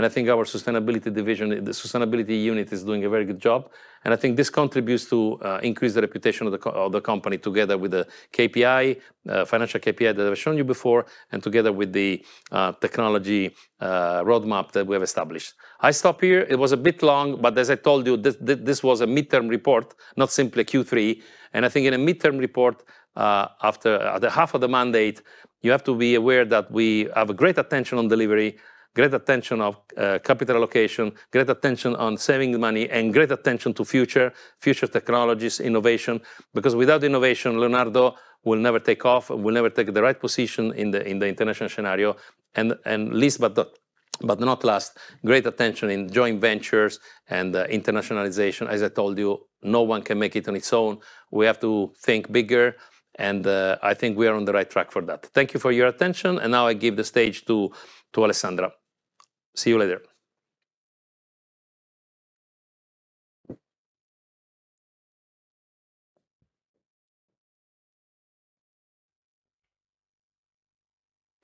I think our sustainability division, the sustainability unit, is doing a very good job. I think this contributes to increase the reputation of the company together with the KPI, financial KPI that I've shown you before, and together with the technology roadmap that we have established. I stop here. It was a bit long, but as I told you, this was a midterm report, not simply a Q3. I think in a midterm report, after half of the mandate, you have to be aware that we have great attention on delivery, great attention on capital allocation, great attention on saving money, and great attention to future technologies, innovation, because without innovation, Leonardo will never take off and will never take the right position in the international scenario. Last, but not least, great attention in joint ventures and internationalization. As I told you, no one can make it on its own. We have to think bigger. I think we are on the right track for that. Thank you for your attention. Now I give the stage to Alessandra. See you later.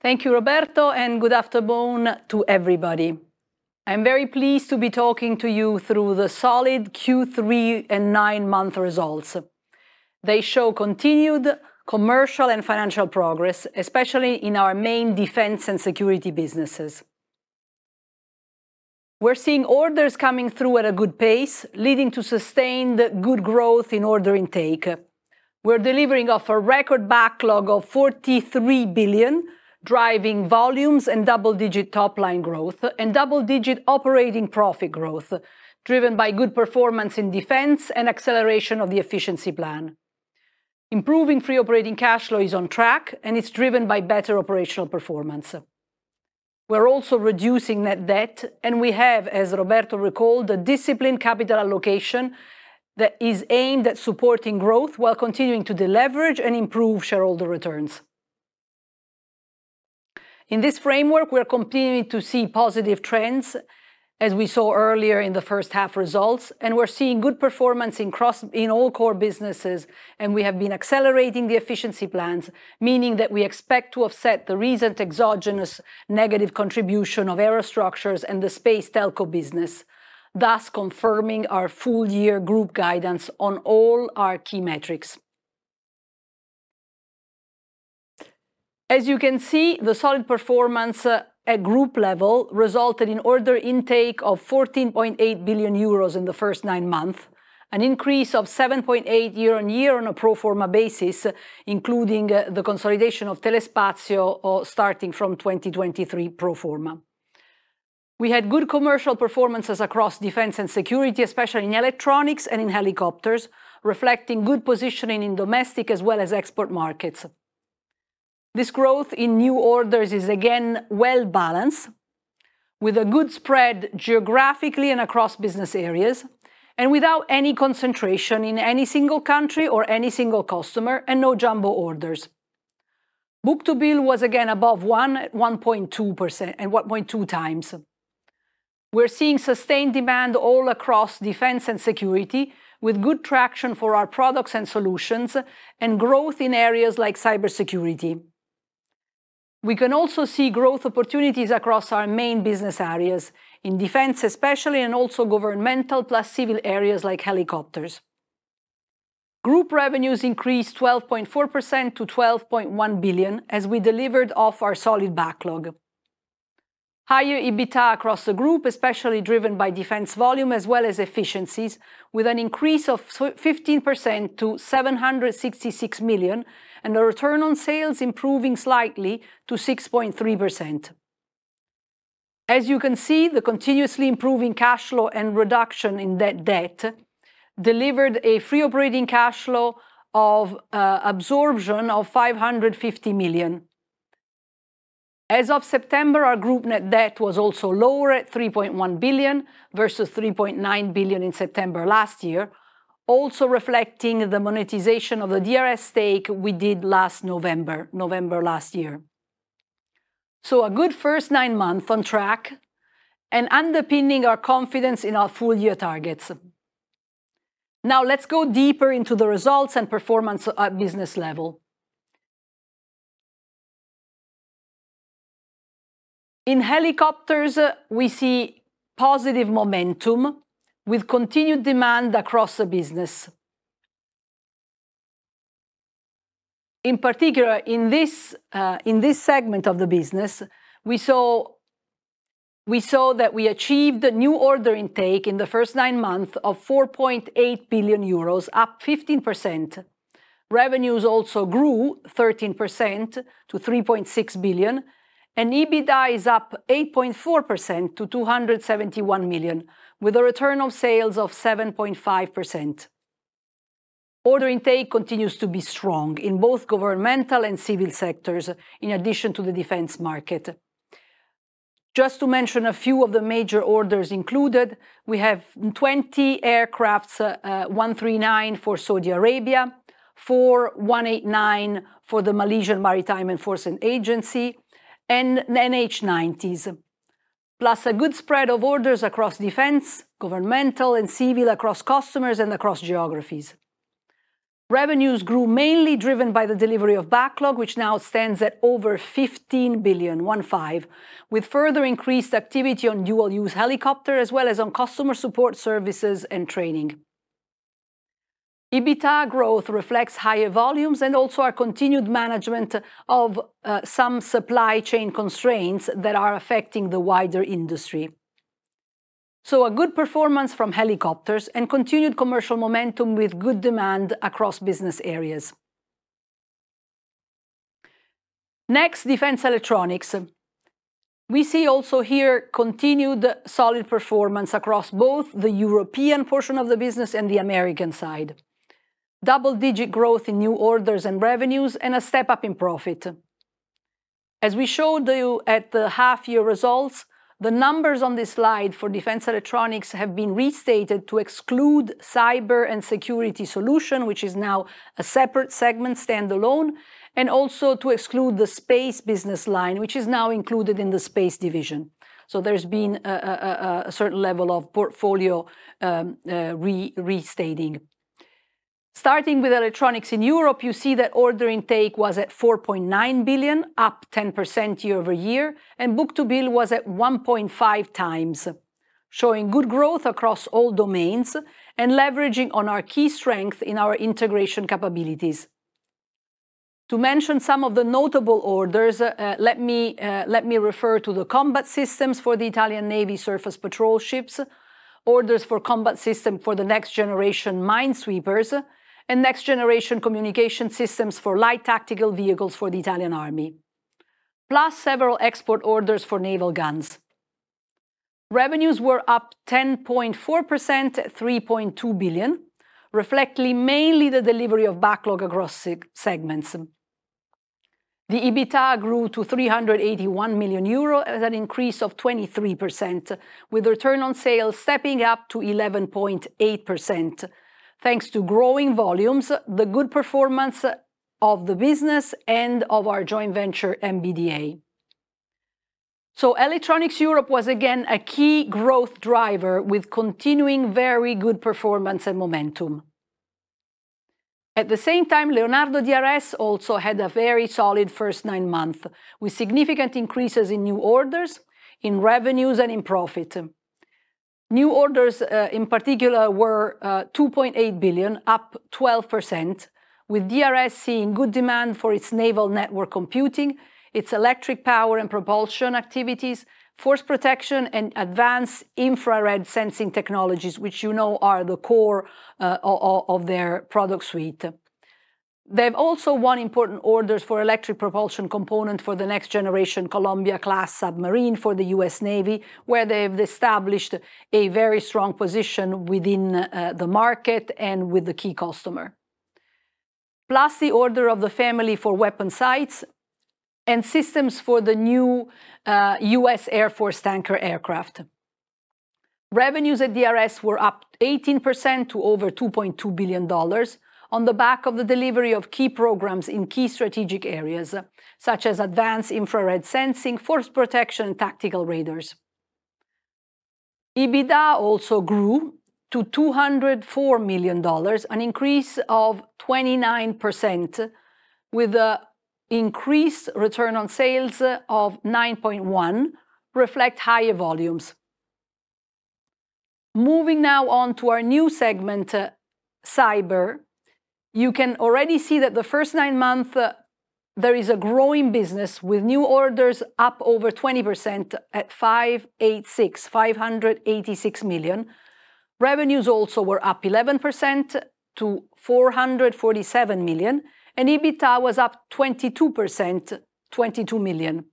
Thank you, Roberto, and good afternoon to everybody. I'm very pleased to be talking to you through the solid Q3 and nine-month results. They show continued commercial and financial progress, especially in our main defense and security businesses. We're seeing orders coming through at a good pace, leading to sustained good growth in order intake. We're delivering off a record backlog of 43 billion, driving volumes and double-digit top-line growth and double-digit operating profit growth, driven by good performance in defense and acceleration of the efficiency plan. Improving free operating cash flow is on track, and it's driven by better operational performance. We're also reducing net debt, and we have, as Roberto recalled, a disciplined capital allocation that is aimed at supporting growth while continuing to deleverage and improve shareholder returns. In this framework, we are continuing to see positive trends, as we saw earlier in the first half results, and we're seeing good performance in all core businesses. We have been accelerating the efficiency plans, meaning that we expect to offset the recent exogenous negative contribution of aerospace structures and the space telco business, thus confirming our full-year group guidance on all our key metrics. As you can see, the solid performance at group level resulted in order intake of 14.8 billion euros in the first nine months, an increase of 7.8% year-on-year on a pro forma basis, including the consolidation of Telespazio starting from 2023 pro forma. We had good commercial performances across defense and security, especially in electronics and in helicopters, reflecting good positioning in domestic as well as export markets. This growth in new orders is again well balanced, with a good spread geographically and across business areas, and without any concentration in any single country or any single customer and no jumbo orders. Book-to-bill was again above 1.2x. We're seeing sustained demand all across defense and security, with good traction for our products and solutions and growth in areas like cybersecurity. We can also see growth opportunities across our main business areas, in defense especially, and also governmental plus civil areas like helicopters. Group revenues increased 12.4% to 12.1 billion as we delivered off our solid backlog. Higher EBITDA across the group, especially driven by defense volume as well as efficiencies, with an increase of 15% to 766 million and a return on sales improving slightly to 6.3%. As you can see, the continuously improving cash flow and reduction in debt delivered a free operating cash flow of absorption of 550 million. As of September, our group net debt was also lower at 3.1 billion versus 3.9 billion in September last year, also reflecting the monetization of the DRS stake we did last November last year. A good first nine months on track and underpinning our confidence in our full-year targets. Now let's go deeper into the results and performance at business level. In helicopters, we see positive momentum with continued demand across the business. In particular, in this segment of the business, we saw that we achieved new order intake in the first nine months of 4.8 billion euros, up 15%. Revenues also grew 13% to 3.6 billion, and EBITDA is up 8.4% to 271 million, with a return on sales of 7.5%. Order intake continues to be strong in both governmental and civil sectors, in addition to the defense market. Just to mention a few of the major orders included, we have 20 aircraft AW139 for Saudi Arabia, AW189 for the Malaysian Maritime Enforcement Agency, and NH90s, plus a good spread of orders across defense, governmental and civil across customers and across geographies. Revenues grew mainly driven by the delivery of backlog, which now stands at over 15 billion, 1.5, with further increased activity on dual-use helicopter as well as on customer support services and training. EBITDA growth reflects higher volumes and also our continued management of some supply chain constraints that are affecting the wider industry. So a good performance from helicopters and continued commercial momentum with good demand across business areas. Next, defense electronics. We see also here continued solid performance across both the European portion of the business and the American side. Double-digit growth in new orders and revenues and a step-up in profit. As we showed you at the half-year results, the numbers on this slide for defense electronics have been restated to exclude cyber security solutions, which is now a separate segment standalone, and also to exclude the space business line, which is now included in the Space Division, so there's been a certain level of portfolio restating. Starting with electronics in Europe, you see that order intake was at 4.9 billion, up 10% year-over-year, and book-to-bill was at 1.5x, showing good growth across all domains and leveraging on our key strength in our integration capabilities. To mention some of the notable orders, let me refer to the combat systems for the Italian Navy surface patrol ships, orders for combat systems for the next generation minesweepers, and next generation communication systems for light tactical vehicles for the Italian Army, plus several export orders for naval guns. Revenues were up 10.4%, 3.2 billion, reflecting mainly the delivery of backlog across segments. The EBITDA grew to 381 million euro at an increase of 23%, with return on sales stepping up to 11.8%, thanks to growing volumes, the good performance of the business, and of our joint venture, MBDA. So Electronics Europe was again a key growth driver with continuing very good performance and momentum. At the same time, Leonardo DRS also had a very solid first nine months with significant increases in new orders, in revenues, and in profit. New orders, in particular, were 2.8 billion, up 12%, with DRS seeing good demand for its naval network computing, its electric power and propulsion activities, force protection, and advanced infrared sensing technologies, which you know are the core of their product suite. They've also won important orders for electric propulsion components for the next generation Columbia-class submarine for the U.S. Navy, where they've established a very strong position within the market and with the key customer, plus the order of the family for weapon sights and systems for the new U.S. Air Force tanker aircraft. Revenues at DRS were up 18% to over $2.2 billion on the back of the delivery of key programs in key strategic areas such as advanced infrared sensing, force protection, and tactical radars. EBITDA also grew to $204 million, an increase of 29%, with an increased return on sales of 9.1%, reflecting higher volumes. Moving now on to our new segment, cyber, you can already see that the first nine months there is a growing business with new orders up over 20% at 586 million. Revenues also were up 11% to 447 million, and EBITDA was up 22% to 22 million.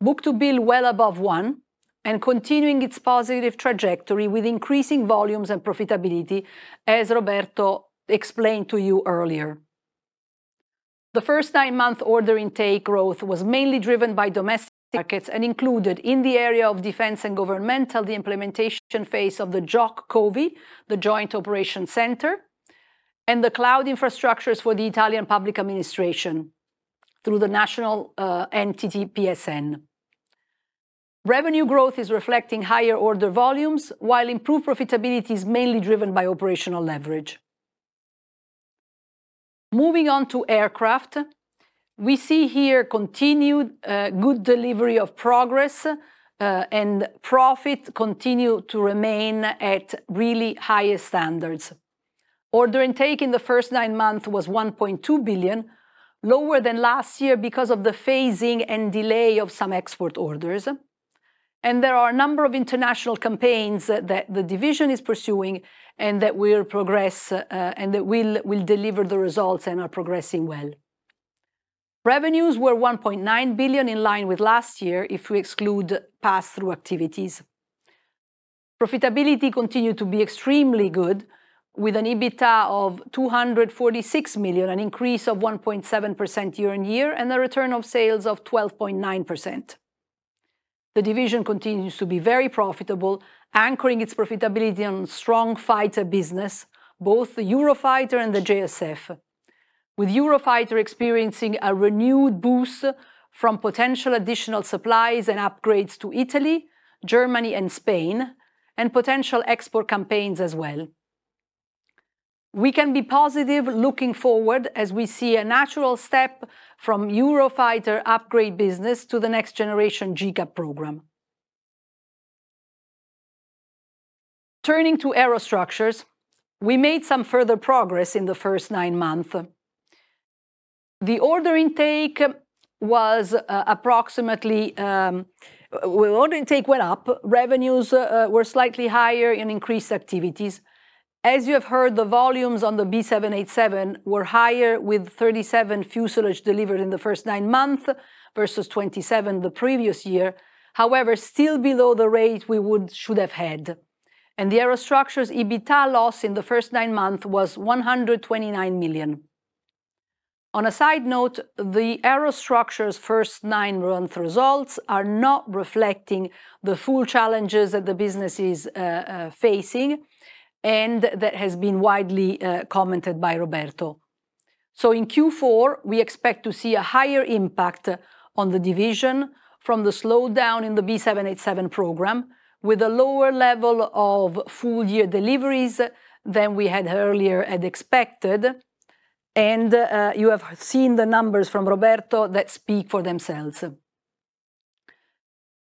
Book to bill well above one and continuing its positive trajectory with increasing volumes and profitability, as Roberto explained to you earlier. The first nine months order intake growth was mainly driven by domestic markets and included in the area of defense and governmental the implementation phase of the JOC COVI, the Joint Operations Center, and the cloud infrastructures for the Italian public administration through the national entity PSN. Revenue growth is reflecting higher order volumes, while improved profitability is mainly driven by operational leverage. Moving on to aircraft, we see here continued good delivery of progress and profit continue to remain at really highest standards. Order intake in the first nine months was 1.2 billion, lower than last year because of the phasing and delay of some export orders. There are a number of international campaigns that the division is pursuing and that we'll progress and that we'll deliver the results and are progressing well. Revenues were 1.9 billion in line with last year if we exclude pass-through activities. Profitability continued to be extremely good with an EBITDA of 246 million, an increase of 1.7% year-on-year, and a return on sales of 12.9%. The division continues to be very profitable, anchoring its profitability on strong fighter business, both the Eurofighter and the JSF, with Eurofighter experiencing a renewed boost from potential additional supplies and upgrades to Italy, Germany, and Spain, and potential export campaigns as well. We can be positive looking forward as we see a natural step from Eurofighter upgrade business to the next generation GCAP program. Turning to aerostructures, we made some further progress in the first nine months. The order intake went up, revenues were slightly higher and increased activities. As you have heard, the volumes on the B787 were higher with 37 fuselages delivered in the first nine months versus 27 fuselages the previous year, however still below the rate we should have had. And the aerostructures EBITDA loss in the first nine months was 129 million. On a side note, the aerostructures first nine months results are not reflecting the full challenges that the business is facing, and that has been widely commented by Roberto. So in Q4, we expect to see a higher impact on the division from the slowdown in the B787 program, with a lower level of full-year deliveries than we had earlier and expected. And you have seen the numbers from Roberto that speak for themselves.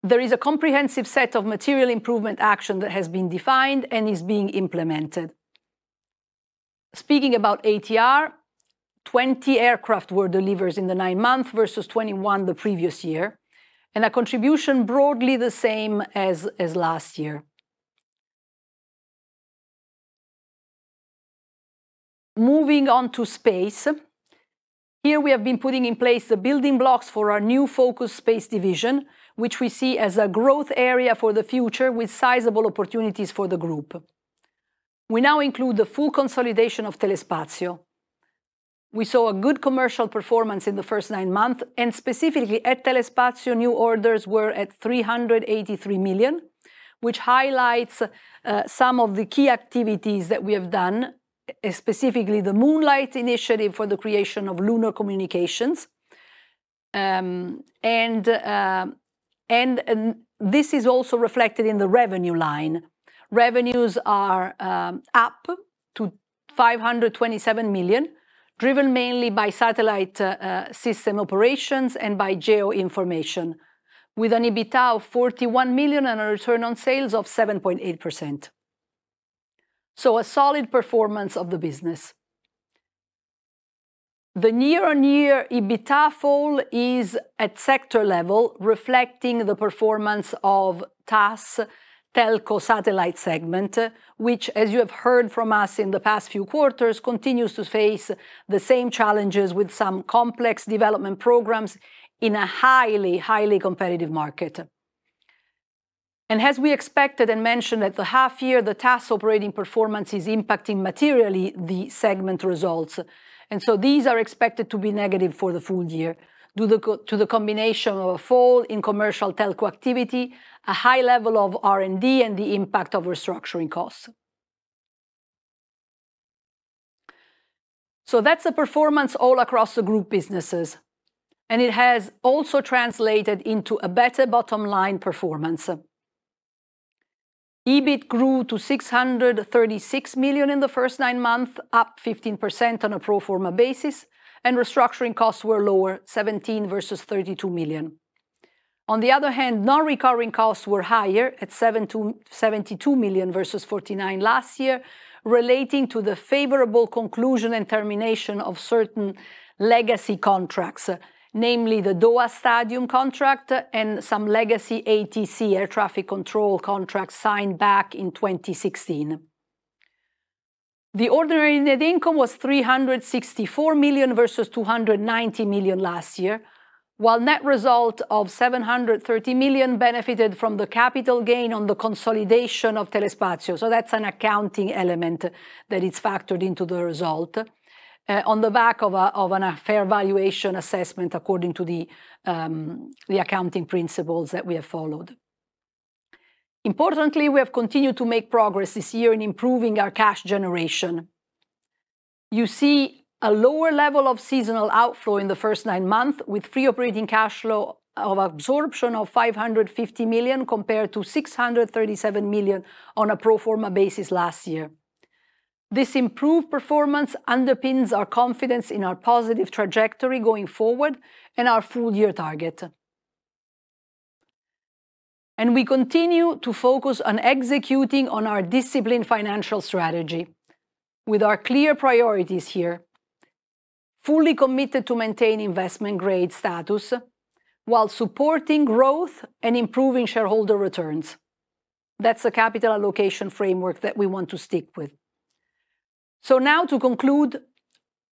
There is a comprehensive set of material improvement actions that has been defined and is being implemented. Speaking about ATR, 20 aircraft were delivered in the nine months versus 21 the previous year, and a contribution broadly the same as last year. Moving on to space, here we have been putting in place the building blocks for our new focus Space Division, which we see as a growth area for the future with sizable opportunities for the group. We now include the full consolidation of Telespazio. We saw a good commercial performance in the first nine months, and specifically at Telespazio, new orders were at 383 million, which highlights some of the key activities that we have done, specifically the Moonlight initiative for the creation of lunar communications, and this is also reflected in the revenue line. Revenues are up to 527 million, driven mainly by satellite system operations and by geo information, with an EBITDA of 41 million and a return on sales of 7.8%. A solid performance of the business. The year-on-year EBITDA fall is at sector level, reflecting the performance of TAS, Telco satellite segment, which, as you have heard from us in the past few quarters, continues to face the same challenges with some complex development programs in a highly, highly competitive market. As we expected and mentioned at the half year, the TAS operating performance is impacting materially the segment results. These are expected to be negative for the full year due to the combination of a fall in commercial telco activity, a high level of R&D, and the impact of restructuring costs. That's a performance all across the group businesses, and it has also translated into a better bottom line performance. EBIT grew to 636 million in the first nine months, up 15% on a pro forma basis, and restructuring costs were lower, 17 million versus 32 million. On the other hand, non-recurring costs were higher at 72 million versus 49 million last year, relating to the favorable conclusion and termination of certain legacy contracts, namely the Doha stadium contract and some legacy ATC air traffic control contracts signed back in 2016. The ordinary net income was 364 million versus 290 million last year, while net result of 730 million benefited from the capital gain on the consolidation of Telespazio. That's an accounting element that is factored into the result on the back of a fair valuation assessment according to the accounting principles that we have followed. Importantly, we have continued to make progress this year in improving our cash generation. You see a lower level of seasonal outflow in the first nine months with free operating cash flow absorption of 550 million compared to 637 million on a pro forma basis last year. This improved performance underpins our confidence in our positive trajectory going forward and our full-year target. We continue to focus on executing on our disciplined financial strategy with our clear priorities here, fully committed to maintain investment-grade status while supporting growth and improving shareholder returns. That's a capital allocation framework that we want to stick with. Now to conclude,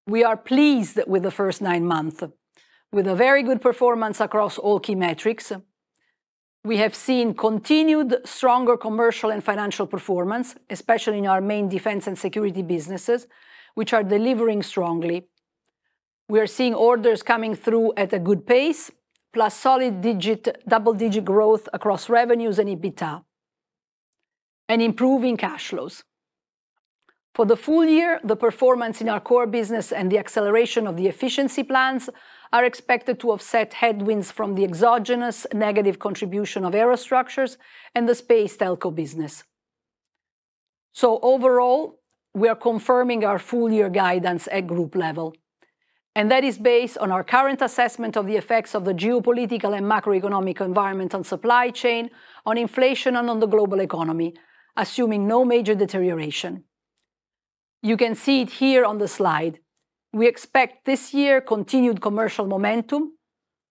we are pleased with the first nine months with a very good performance across all key metrics. We have seen continued stronger commercial and financial performance, especially in our main defense and security businesses, which are delivering strongly. We are seeing orders coming through at a good pace, plus solid double-digit growth across revenues and EBITDA and improving cash flows. For the full year, the performance in our core business and the acceleration of the efficiency plans are expected to offset headwinds from the exogenous negative contribution of aerostructures and the space telco business. So overall, we are confirming our full-year guidance at group level, and that is based on our current assessment of the effects of the geopolitical and macroeconomic environment on supply chain, on inflation, and on the global economy, assuming no major deterioration. You can see it here on the slide. We expect this year continued commercial momentum,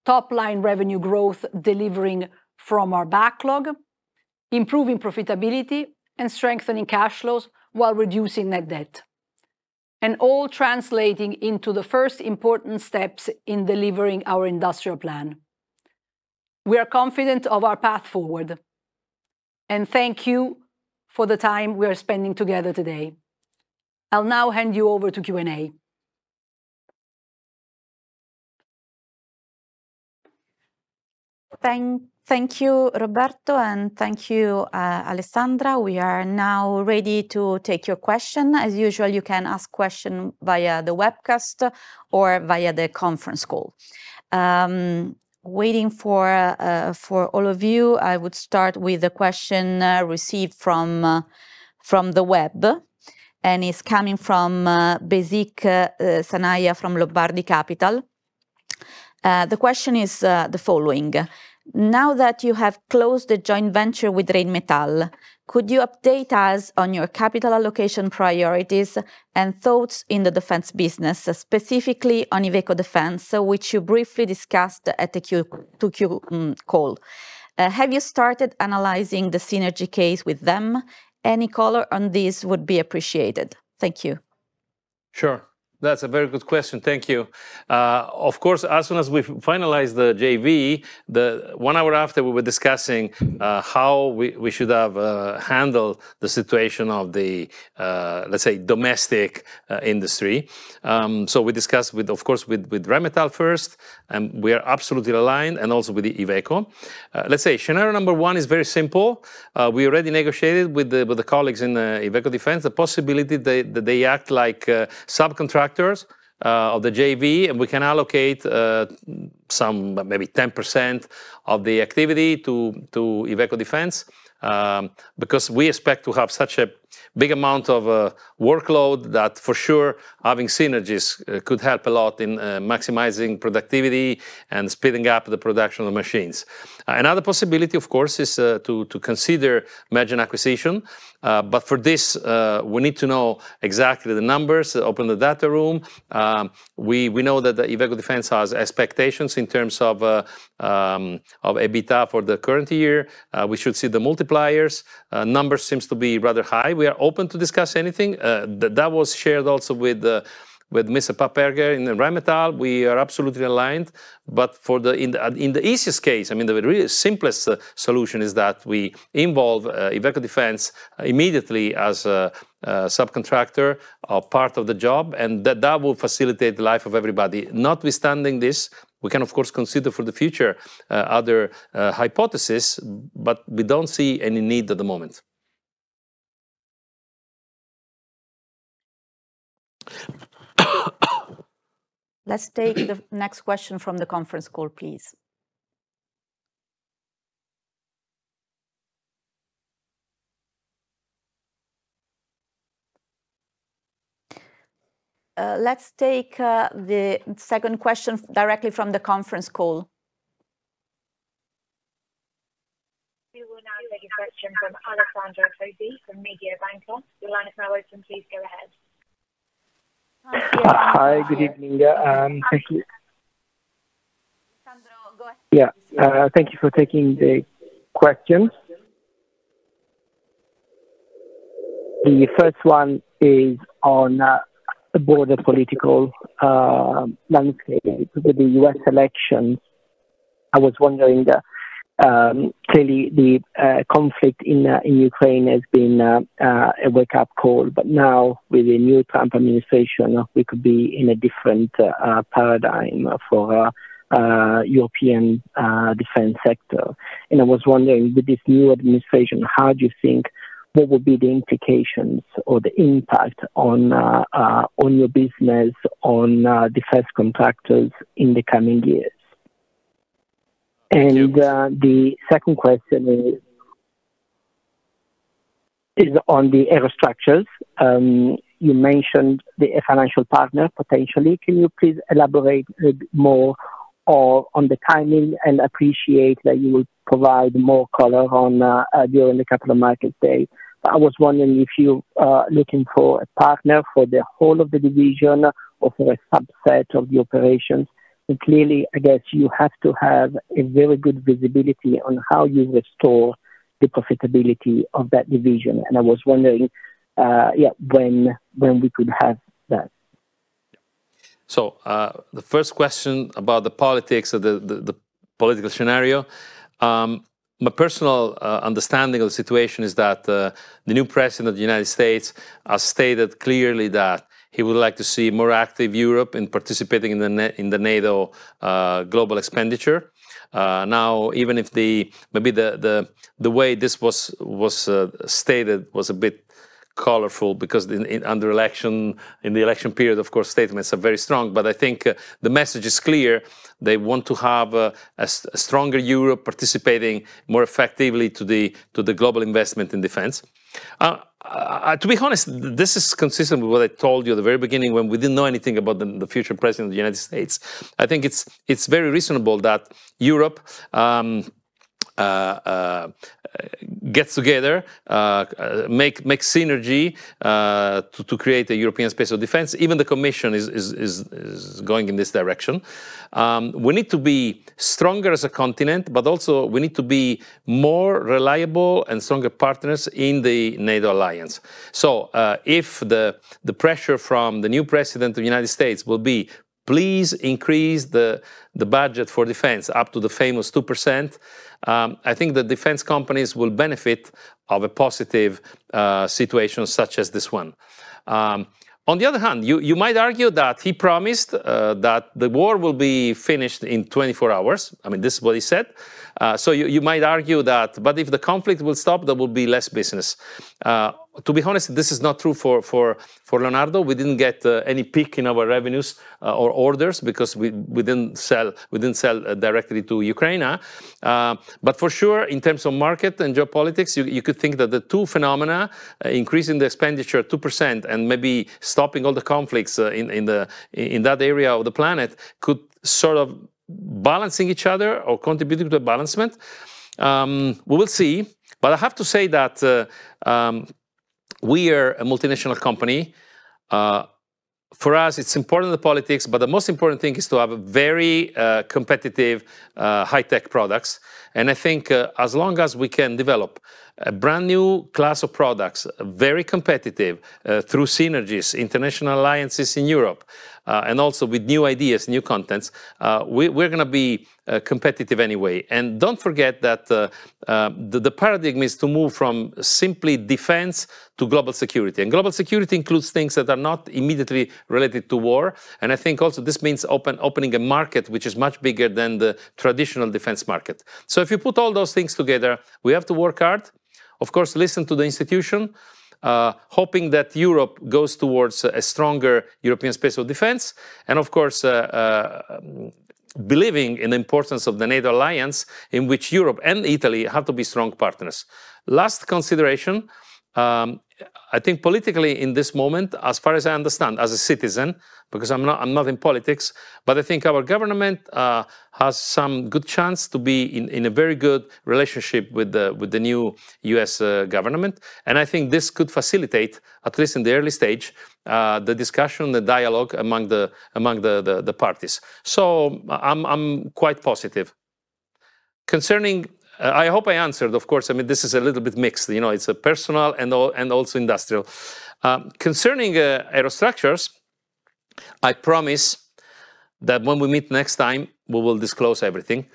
top-line revenue growth delivering from our backlog, improving profitability, and strengthening cash flows while reducing net debt, and all translating into the first important steps in delivering our Industrial Plan. We are confident of our path forward, and thank you for the time we are spending together today. I'll now hand you over to Q&A. Thank you, Roberto, and thank you, Alessandra. We are now ready to take your question. As usual, you can ask questions via the webcast or via the conference call. Waiting for all of you, I would start with the question received from the web, and it's coming from Bashir Soumaya from Lombard Odier. The question is the following: Now that you have closed the joint venture with Rheinmetall, could you update us on your capital allocation priorities and thoughts in the defense business, specifically on Iveco Defence, which you briefly discussed at the Q2 call? Have you started analyzing the synergy case with them? Any color on this would be appreciated. Thank you. Sure. That's a very good question. Thank you. Of course, as soon as we finalized the JV, the one hour after, we were discussing how we should have handled the situation of the, let's say, domestic industry. So we discussed with, of course, with Rheinmetall first, and we are absolutely aligned, and also with Iveco. Let's say scenario number one is very simple. We already negotiated with the colleagues in Iveco Defence the possibility that they act like subcontractors of the JV, and we can allocate some, maybe 10% of the activity to Iveco Defence because we expect to have such a big amount of workload that for sure, having synergies could help a lot in maximizing productivity and speeding up the production of machines. Another possibility, of course, is to consider merging acquisition, but for this, we need to know exactly the numbers, open the data room. We know that Iveco Defence has expectations in terms of EBITDA for the current year. We should see the multipliers. The number seems to be rather high. We are open to discuss anything. That was shared also with Mr. Papperger in Rheinmetall. We are absolutely aligned, but in the easiest case, I mean, the simplest solution is that we involve Iveco Defence immediately as a subcontractor or part of the job, and that will facilitate the life of everybody. Notwithstanding this, we can, of course, consider for the future other hypotheses, but we don't see any need at the moment. Let's take the next question from the conference call, please. Let's take the second question directly from the conference call. We will now take a question from Alessandro Pozzi from Mediobanca. Your line is now open. Please go ahead. Hi, good evening. Thank you. Alessandro, go ahead. Yeah. Thank you for taking the question. The first one is on a broader political landscape with the U.S. elections. I was wondering, clearly, the conflict in Ukraine has been a wake-up call, but now with the new Trump administration, we could be in a different paradigm for the European defense sector. And I was wondering, with this new administration, how do you think what would be the implications or the impact on your business, on defense contractors in the coming years? And the second question is on the aerostructures. You mentioned the financial partner potentially. Can you please elaborate a bit more on the timing and appreciate that you will provide more color on during the capital markets day? I was wondering if you are looking for a partner for the whole of the division or for a subset of the operations. And clearly, I guess you have to have a very good visibility on how you restore the profitability of that division. And I was wondering when we could have that. So the first question about the politics or the political scenario, my personal understanding of the situation is that the new president of the United States has stated clearly that he would like to see more active Europe in participating in the NATO global expenditure. Now, even if maybe the way this was stated was a bit colorful because in the election period, of course, statements are very strong, but I think the message is clear. They want to have a stronger Europe participating more effectively to the global investment in defense. To be honest, this is consistent with what I told you at the very beginning when we didn't know anything about the future president of the United States. I think it's very reasonable that Europe gets together, makes synergy to create a European space of defense. Even the commission is going in this direction. We need to be stronger as a continent, but also we need to be more reliable and stronger partners in the NATO alliance. So if the pressure from the new president of the United States will be, "please increase the budget for defense up to the famous 2%," I think the defense companies will benefit of a positive situation such as this one. On the other hand, you might argue that he promised that the war will be finished in 24 hours. I mean, this is what he said. So you might argue that, but if the conflict will stop, there will be less business. To be honest, this is not true for Leonardo. We didn't get any peak in our revenues or orders because we didn't sell directly to Ukraine. But for sure, in terms of market and geopolitics, you could think that the two phenomena, increasing the expenditure 2% and maybe stopping all the conflicts in that area of the planet, could sort of balance each other or contribute to the balance. We will see. But I have to say that we are a multinational company. For us, it's important in the politics, but the most important thing is to have very competitive high-tech products. And I think as long as we can develop a brand new class of products, very competitive through synergies, international alliances in Europe, and also with new ideas, new contents, we're going to be competitive anyway. And don't forget that the paradigm is to move from simply defense to global security. And global security includes things that are not immediately related to war. And I think also this means opening a market which is much bigger than the traditional defense market. So if you put all those things together, we have to work hard. Of course, listen to the institution, hoping that Europe goes towards a stronger European space of defense, and of course, believing in the importance of the NATO alliance in which Europe and Italy have to be strong partners. Last consideration, I think politically in this moment, as far as I understand, as a citizen, because I'm not in politics, but I think our government has some good chance to be in a very good relationship with the new U.S. government. And I think this could facilitate, at least in the early stage, the discussion, the dialogue among the parties. So I'm quite positive. I hope I answered, of course. I mean, this is a little bit mixed. It's a personal and also industrial. Concerning aerostructures, I promise that when we meet next time, we will disclose everything.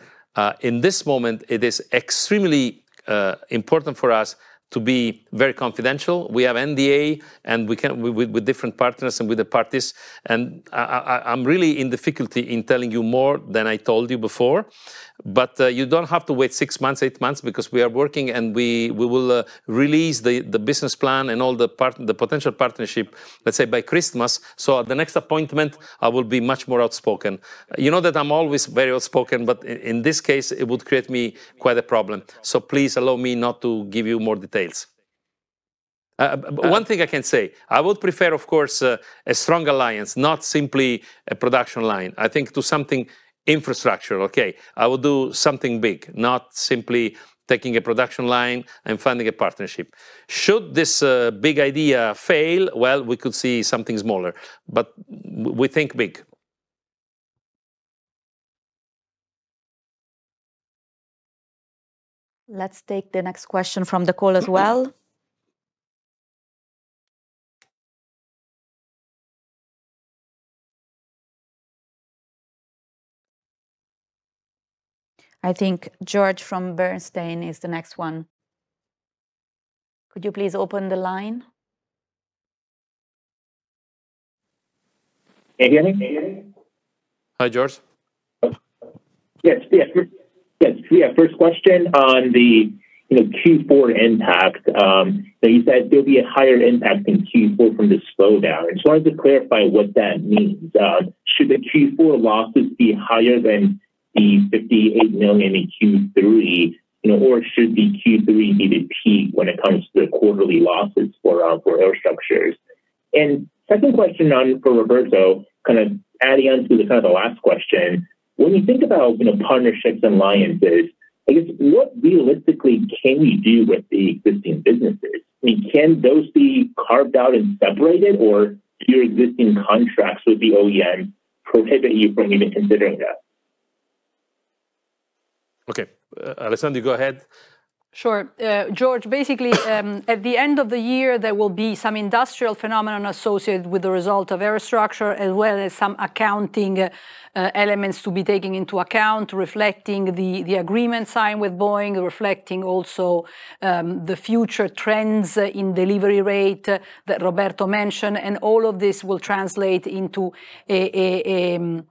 In this moment, it is extremely important for us to be very confidential. We have NDA with different partners and with the parties. And I'm really in difficulty in telling you more than I told you before. But you don't have to wait six months, eight months, because we are working and we will release the business plan and all the potential partnership, let's say, by Christmas. So at the next appointment, I will be much more outspoken. You know that I'm always very outspoken, but in this case, it would create me quite a problem. So please allow me not to give you more details. One thing I can say, I would prefer, of course, a strong alliance, not simply a production line. I think to something infrastructural, okay? I will do something big, not simply taking a production line and finding a partnership. Should this big idea fail, well, we could see something smaller, but we think big. Let's take the next question from the call as well. I think George from Bernstein is the next one. Could you please open the line? Hi, George. Yes. Yes. Yes. Yeah. First question on the Q4 impact. You said there'll be a higher impact in Q4 from the slowdown. And so I wanted to clarify what that means. Should the Q4 losses be higher than the 58 million in Q3, or should the Q3 be the peak when it comes to the quarterly losses for aerostructures? And second question for Roberto, kind of adding on to kind of the last question, when you think about partnerships and alliances, I guess what realistically can you do with the existing businesses? I mean, can those be carved out and separated, or do your existing contracts with the OEMs prohibit you from even considering that? Okay. Alessandro, you go ahead. Sure. George, basically, at the end of the year, there will be some industrial phenomenon associated with the result of aerostructures, as well as some accounting elements to be taken into account, reflecting the agreement signed with Boeing, reflecting also the future trends in delivery rate that Roberto mentioned, and all of this will translate into a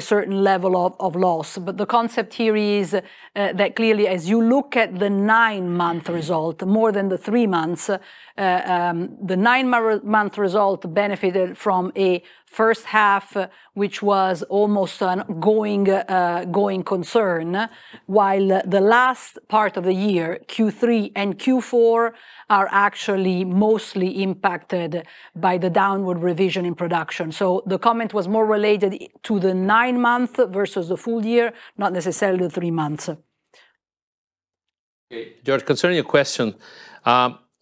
certain level of loss. But the concept here is that clearly, as you look at the nine-month result, more than the three months, the nine-month result benefited from a first half, which was almost a going concern, while the last part of the year, Q3 and Q4, are actually mostly impacted by the downward revision in production. So the comment was more related to the nine months versus the full year, not necessarily the three months. Okay. George, concerning your question,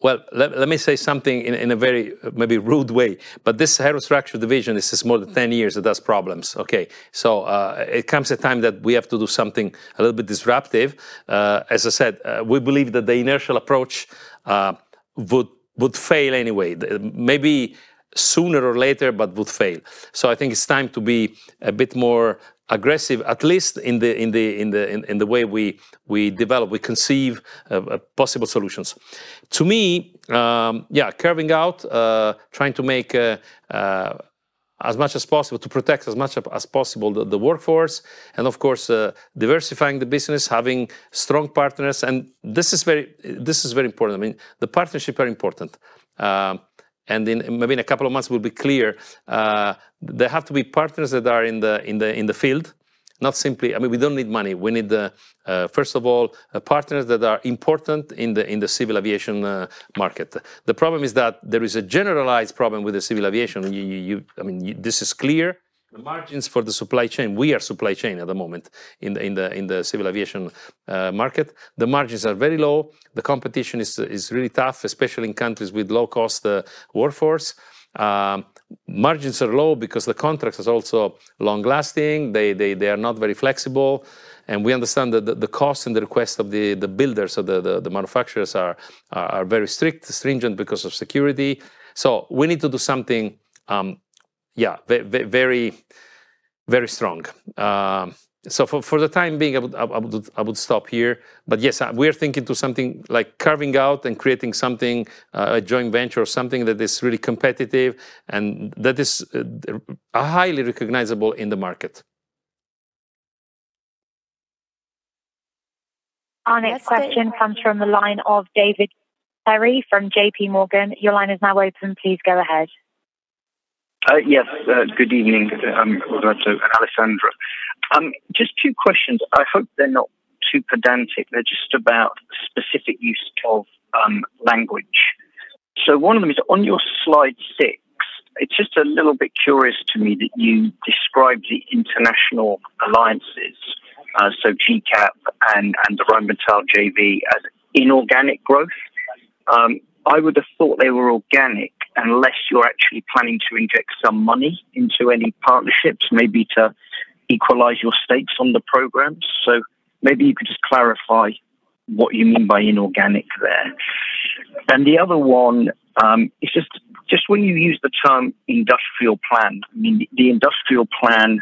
well, let me say something in a very maybe rude way, but this Aerostructures Division is more than 10 years. It has problems, okay? So it comes a time that we have to do something a little bit disruptive. As I said, we believe that the internal approach would fail anyway, maybe sooner or later, but would fail. So I think it's time to be a bit more aggressive, at least in the way we develop, we conceive possible solutions. To me, yeah, carving out, trying to make as much as possible to protect as much as possible the workforce, and of course, diversifying the business, having strong partners. And this is very important. I mean, the partnerships are important. And in maybe a couple of months, we'll be clear. There have to be partners that are in the field, not simply. I mean, we don't need money. We need, first of all, partners that are important in the civil aviation market. The problem is that there is a generalized problem with the civil aviation. I mean, this is clear. The margins for the supply chain, we are supply chain at the moment in the civil aviation market. The margins are very low. The competition is really tough, especially in countries with low-cost workforce. Margins are low because the contracts are also long-lasting. They are not very flexible. And we understand that the cost and the request of the builders, so the manufacturers, are very strict, stringent because of security. So we need to do something, yeah, very strong. So for the time being, I would stop here. But yes, we are thinking to something like carving out and creating something, a joint venture or something that is really competitive and that is highly recognizable in the market. Our next question comes from the line of David Perry from JP Morgan. Your line is now open. Please go ahead. Yes. Good evening, Roberto and Alessandra. Just two questions. I hope they're not too pedantic. They're just about specific use of language. So one of them is on your slide six. It's just a little bit curious to me that you described the international alliances, so GCAP and the Rheinmetall JV as inorganic growth. I would have thought they were organic unless you're actually planning to inject some money into any partnerships, maybe to equalize your stakes on the programs. So maybe you could just clarify what you mean by inorganic there. And the other one is just when you use the term Industrial Plan. I mean, the Industrial Plan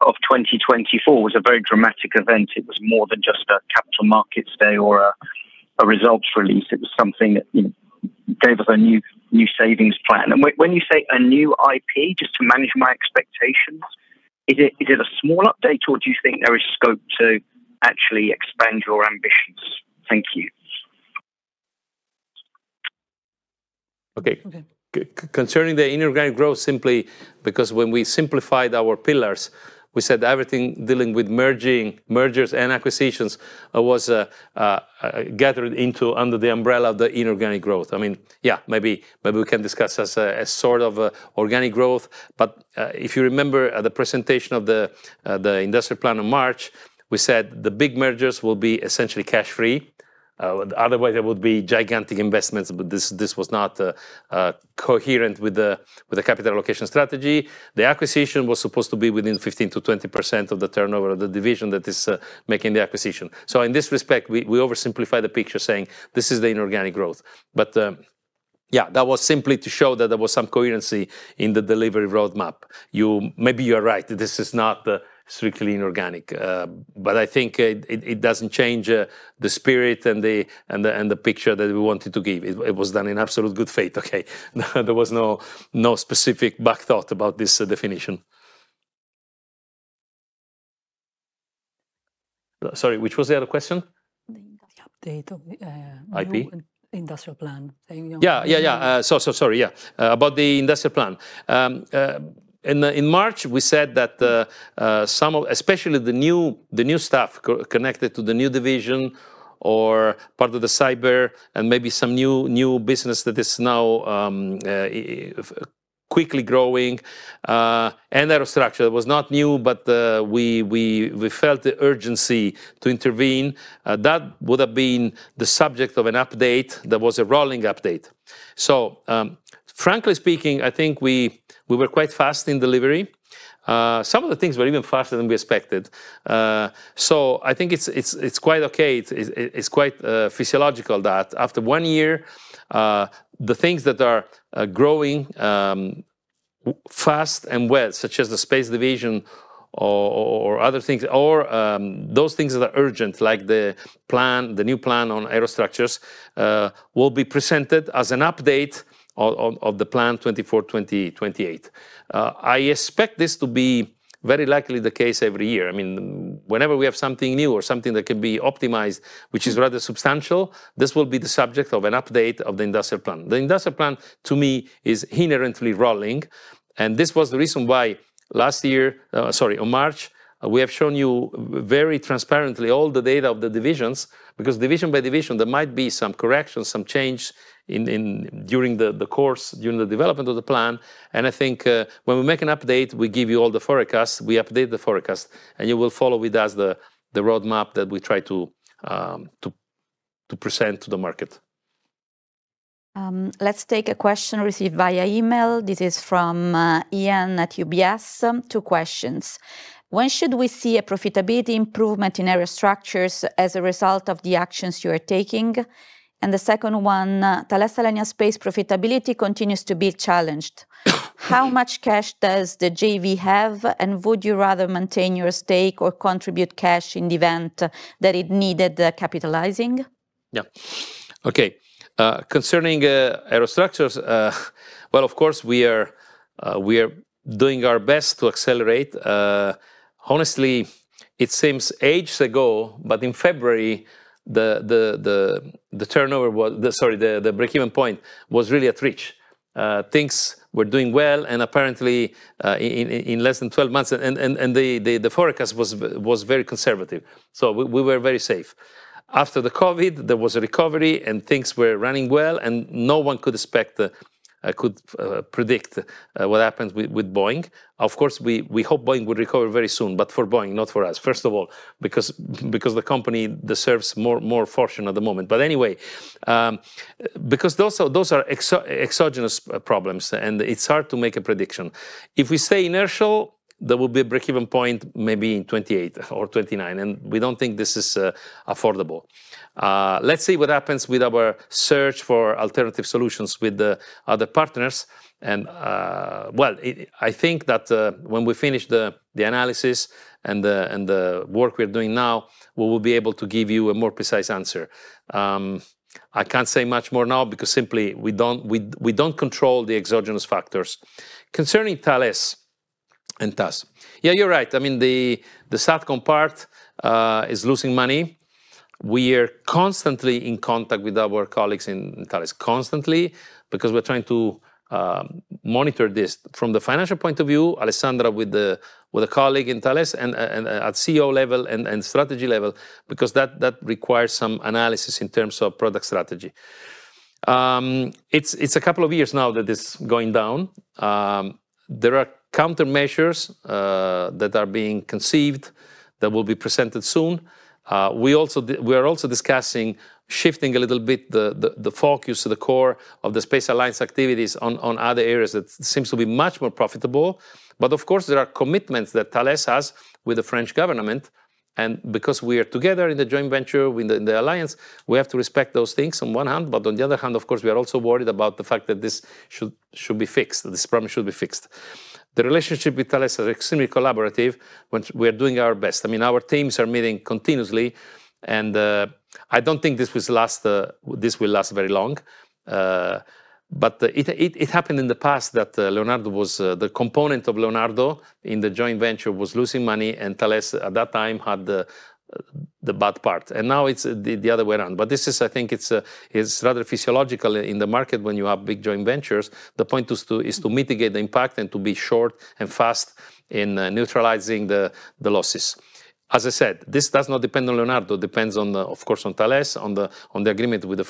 of 2024 was a very dramatic event. It was more than just a capital markets day or a results release. It was something that gave us a new savings plan. And when you say a new IP, just to manage my expectations, is it a small update or do you think there is scope to actually expand your ambitions? Thank you. Okay. Concerning the inorganic growth, simply because when we simplified our pillars, we said everything dealing with mergers and acquisitions was gathered under the umbrella of the inorganic growth. I mean, yeah, maybe we can discuss as sort of organic growth. But if you remember the presentation of the Industrial Plan in March, we said the big mergers will be essentially cash-free. Otherwise, there would be gigantic investments, but this was not coherent with the capital allocation strategy. The acquisition was supposed to be within 15%-20% of the turnover of the division that is making the acquisition. So in this respect, we oversimplified the picture saying this is the inorganic growth. But yeah, that was simply to show that there was some coherency in the delivery roadmap. Maybe you are right. This is not strictly inorganic. But I think it doesn't change the spirit and the picture that we wanted to give. It was done in absolute good faith, okay? There was no specific back thought about this definition. Sorry, which was the other question? The update of the IP? Industrial Plan. Yeah, yeah, yeah. Sorry, yeah. About the Industrial Plan. In March, we said that some of, especially the new staff connected to the new division or part of the cyber and maybe some new business that is now quickly growing and aerostructures that was not new, but we felt the urgency to intervene. That would have been the subject of an update that was a rolling update. So frankly speaking, I think we were quite fast in delivery. Some of the things were even faster than we expected. So I think it's quite okay. It's quite physiological that after one year, the things that are growing fast and well, such as the Space Division or other things, or those things that are urgent, like the new plan on aerostructures, will be presented as an update of the plan 2024-2028. I expect this to be very likely the case every year. I mean, whenever we have something new or something that can be optimized, which is rather substantial, this will be the subject of an update of the Industrial Plan. The Industrial Plan, to me, is inherently rolling, and this was the reason why last year, sorry, in March, we have shown you very transparently all the data of the divisions because division by division, there might be some corrections, some changes during the course, during the development of the plan. And I think when we make an update, we give you all the forecasts. We update the forecast, and you will follow with us the roadmap that we try to present to the market. Let's take a question received via email. This is from Ian at UBS, two questions. When should we see a profitability improvement in aerostructures as a result of the actions you are taking? And the second one, Thales Alenia Space profitability continues to be challenged. How much cash does the JV have, and would you rather maintain your stake or contribute cash in the event that it needed capitalizing? Yeah. Okay. Concerning aerostructures, well, of course, we are doing our best to accelerate. Honestly, it seems ages ago, but in February, the turnaround, sorry, the break-even point was really within reach. Things were doing well, and apparently, in less than 12 months, and the forecast was very conservative. So we were very safe. After the COVID, there was a recovery, and things were running well, and no one could predict what happened with Boeing. Of course, we hope Boeing would recover very soon, but for Boeing, not for us, first of all, because the company deserves more fortune at the moment. But anyway, because those are exogenous problems, and it's hard to make a prediction. If we stay inertial, there will be a break-even point maybe in 2028 or 2029, and we don't think this is affordable. Let's see what happens with our search for alternative solutions with the other partners. And well, I think that when we finish the analysis and the work we're doing now, we will be able to give you a more precise answer. I can't say much more now because simply we don't control the exogenous factors. Concerning Thales and TAS. Yeah, you're right. I mean, the satcom part is losing money. We are constantly in contact with our colleagues in Thales because we're trying to monitor this from the financial point of view. Alessandro with a colleague in Thales and at CEO level and strategy level because that requires some analysis in terms of product strategy. It's a couple of years now that it's going down. There are countermeasures that are being conceived that will be presented soon. We are also discussing shifting a little bit the focus of the core of the space alliance activities on other areas that seems to be much more profitable. But of course, there are commitments that Thales has with the French government. Because we are together in the joint venture, in the alliance, we have to respect those things on one hand, but on the other hand, of course, we are also worried about the fact that this should be fixed, that this problem should be fixed. The relationship with Thales is extremely collaborative when we are doing our best. I mean, our teams are meeting continuously, and I don't think this will last very long. But it happened in the past that Leonardo was the component of Leonardo in the joint venture was losing money, and Thales at that time had the bad part. And now it's the other way around. But this is, I think it's rather physiological in the market when you have big joint ventures. The point is to mitigate the impact and to be short and fast in neutralizing the losses. As I said, this does not depend on Leonardo. It depends, of course, on Thales, on the agreement with the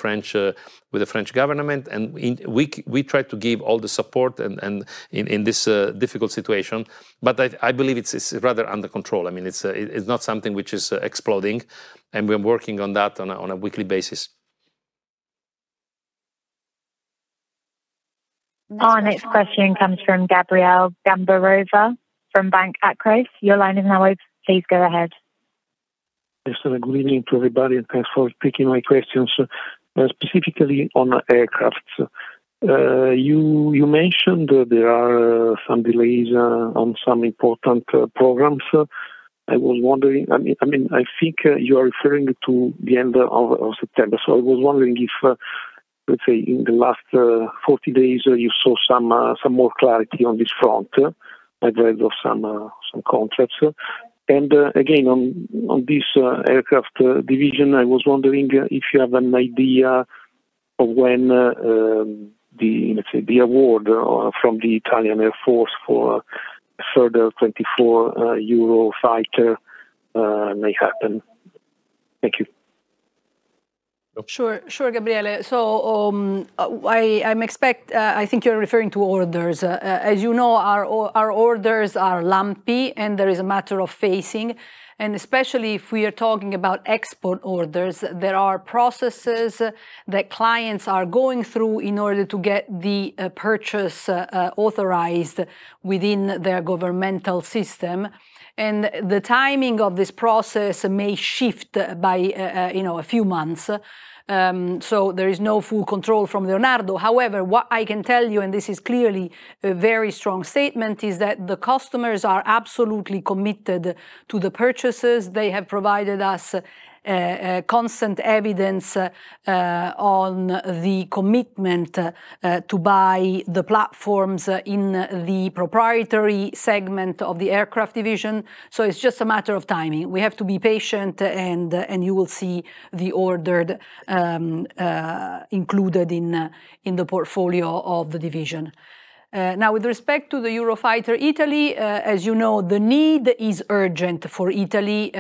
French government, and we try to give all the support in this difficult situation, but I believe it's rather under control. I mean, it's not something which is exploding, and we're working on that on a weekly basis. Our next question comes from Gabriele Gambarova from Banca Akros. Your line is now open. Please go ahead. Yes, sir. Good evening to everybody, and thanks for taking my questions, specifically on aircraft. You mentioned there are some delays on some important programs. I was wondering, I mean, I think you are referring to the end of September, so I was wondering if, let's say, in the last 40 days, you saw some more clarity on this front. I've read of some contracts. Again, on this aircraft division, I was wondering if you have an idea of when the award from the Italian Air Force for a further 24 Eurofighter may happen. Thank you. Sure, Gabriel. So I think you're referring to orders. As you know, our orders are lumpy, and there is a matter of phasing. And especially if we are talking about export orders, there are processes that clients are going through in order to get the purchase authorized within their governmental system. And the timing of this process may shift by a few months. So there is no full control from Leonardo. However, what I can tell you, and this is clearly a very strong statement, is that the customers are absolutely committed to the purchases. They have provided us constant evidence on the commitment to buy the platforms in the proprietary segment of the aircraft division. So it's just a matter of timing. We have to be patient, and you will see the order included in the portfolio of the division. Now, with respect to the Eurofighter Italy, as you know, the need is urgent for Italy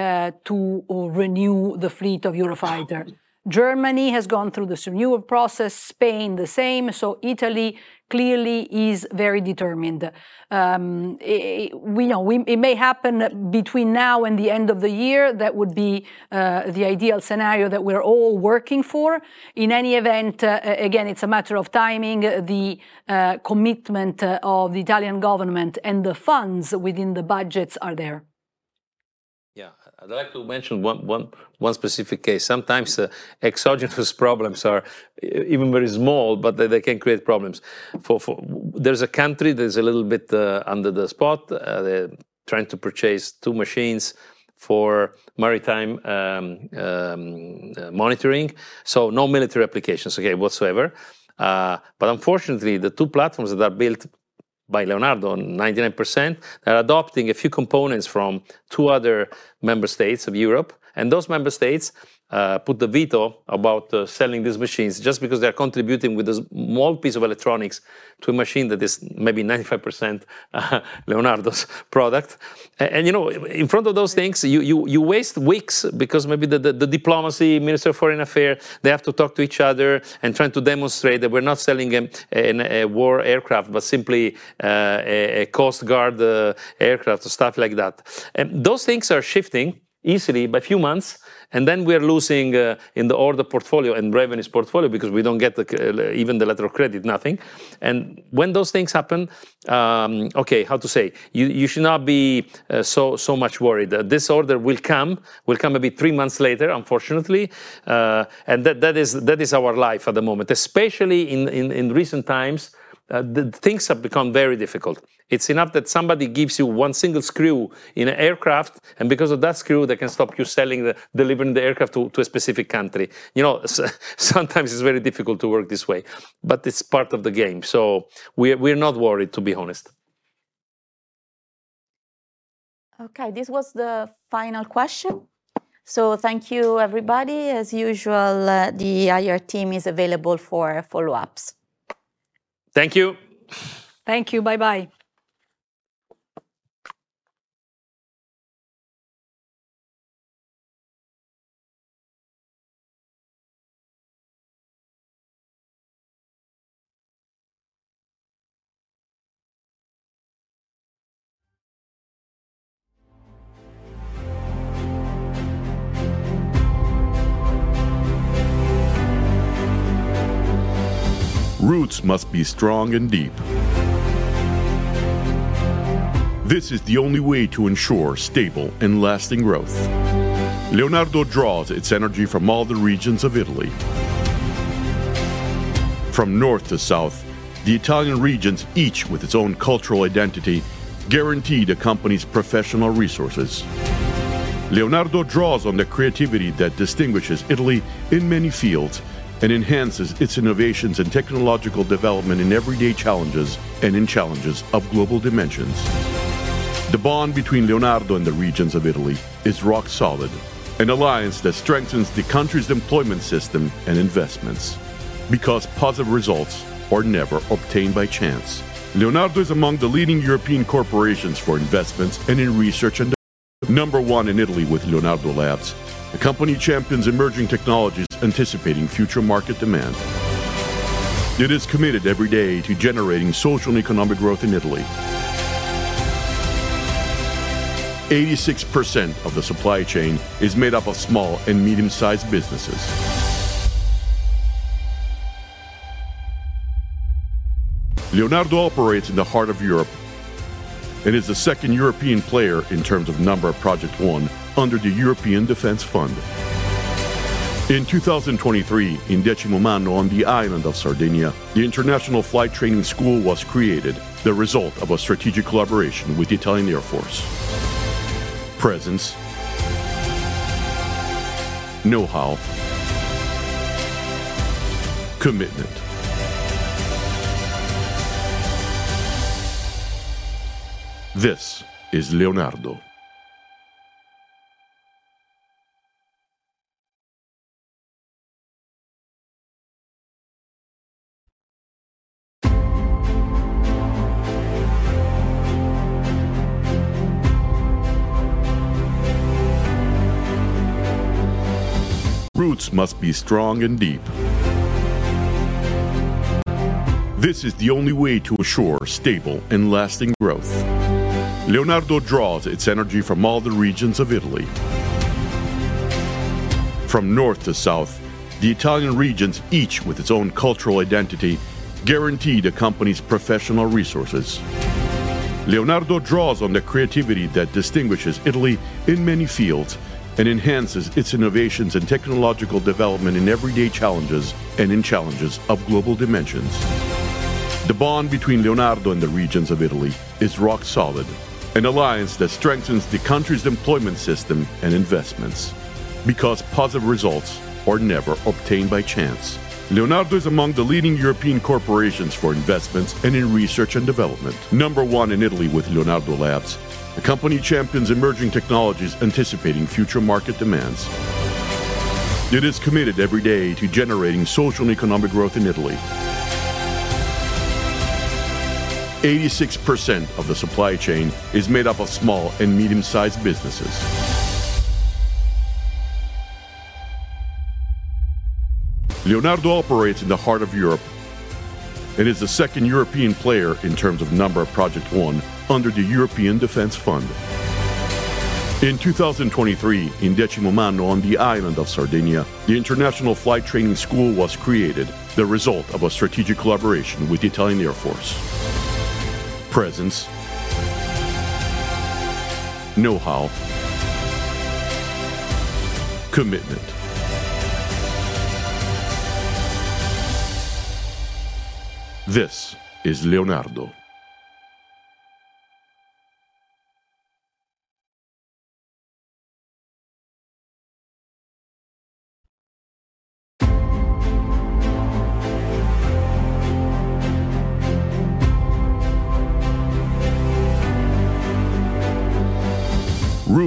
to renew the fleet of Eurofighter. Germany has gone through the renewal process. Spain, the same. So Italy clearly is very determined. It may happen between now and the end of the year. That would be the ideal scenario that we're all working for. In any event, again, it's a matter of timing. The commitment of the Italian government and the funds within the budgets are there. Yeah. I'd like to mention one specific case. Sometimes exogenous problems are even very small, but they can create problems. There's a country that is a little bit under the spot. They're trying to purchase two machines for maritime monitoring. So no military applications, okay, whatsoever. But unfortunately, the two platforms that are built by Leonardo, 99%, they're adopting a few components from two other member states of Europe. And those member states put the veto about selling these machines just because they're contributing with a small piece of electronics to a machine that is maybe 95% Leonardo's product. And in front of those things, you waste weeks because maybe the diplomacy, the Minister of Foreign Affairs, they have to talk to each other and try to demonstrate that we're not selling a war aircraft, but simply a coast guard aircraft or stuff like that. And those things are shifting easily by a few months. And then we are losing in the order portfolio and revenues portfolio because we don't get even the letter of credit, nothing. And when those things happen, okay, how to say, you should not be so much worried. This order will come maybe three months later, unfortunately. And that is our life at the moment, especially in recent times. Things have become very difficult. It's enough that somebody gives you one single screw in an aircraft, and because of that screw, they can stop you delivering the aircraft to a specific country. Sometimes it's very difficult to work this way, but it's part of the game. So we're not worried, to be honest. Okay. This was the final question. So thank you, everybody. As usual, the IR team is available for follow-ups. Thank you. Thank you. Bye-bye. Roots must be strong and deep. This is the only way to ensure stable and lasting growth. Leonardo draws its energy from all the regions of Italy. From north to south, the Italian regions, each with its own cultural identity, guarantee the company's professional resources. Leonardo draws on the creativity that distinguishes Italy in many fields and enhances its innovations and technological development in everyday challenges and in challenges of global dimensions. The bond between Leonardo and the regions of Italy is rock solid, an alliance that strengthens the country's employment system and investments because positive results are never obtained by chance. Leonardo is among the leading European corporations for investments and in research and. Number one in Italy with Leonardo Labs, the company champions emerging technologies anticipating future market demand. It is committed every day to generating social and economic growth in Italy. 86% of the supply chain is made up of small and medium-sized businesses. Leonardo operates in the heart of Europe and is the second European player in terms of number of projects won under the European Defense Fund. In 2023, in Decimomannu on the island of Sardinia, the International Flight Training School was created, the result of a strategic collaboration with the Italian Air Force. Presence, know-how, commitment. This is Leonardo. Roots must be strong and deep. This is the only way to assure stable and lasting growth. Leonardo draws its energy from all the regions of Italy. From north to south, the Italian regions, each with its own cultural identity, guarantee the company's professional resources. Leonardo draws on the creativity that distinguishes Italy in many fields and enhances its innovations and technological development in everyday challenges and in challenges of global dimensions. The bond between Leonardo and the regions of Italy is rock solid, an alliance that strengthens the country's employment system and investments because positive results are never obtained by chance. Leonardo is among the leading European corporations for investments and in research and development. Number one in Italy with Leonardo Labs, the company champions emerging technologies anticipating future market demands. It is committed every day to generating social and economic growth in Italy. 86% of the supply chain is made up of small and medium-sized businesses. Leonardo operates in the heart of Europe and is the second European player in terms of number of projects won under the European Defense Fund. In 2023, in Decimomannu on the island of Sardinia, the International Flight Training School was created, the result of a strategic collaboration with the Italian Air Force. Presence, know-how, commitment. This is Leonardo.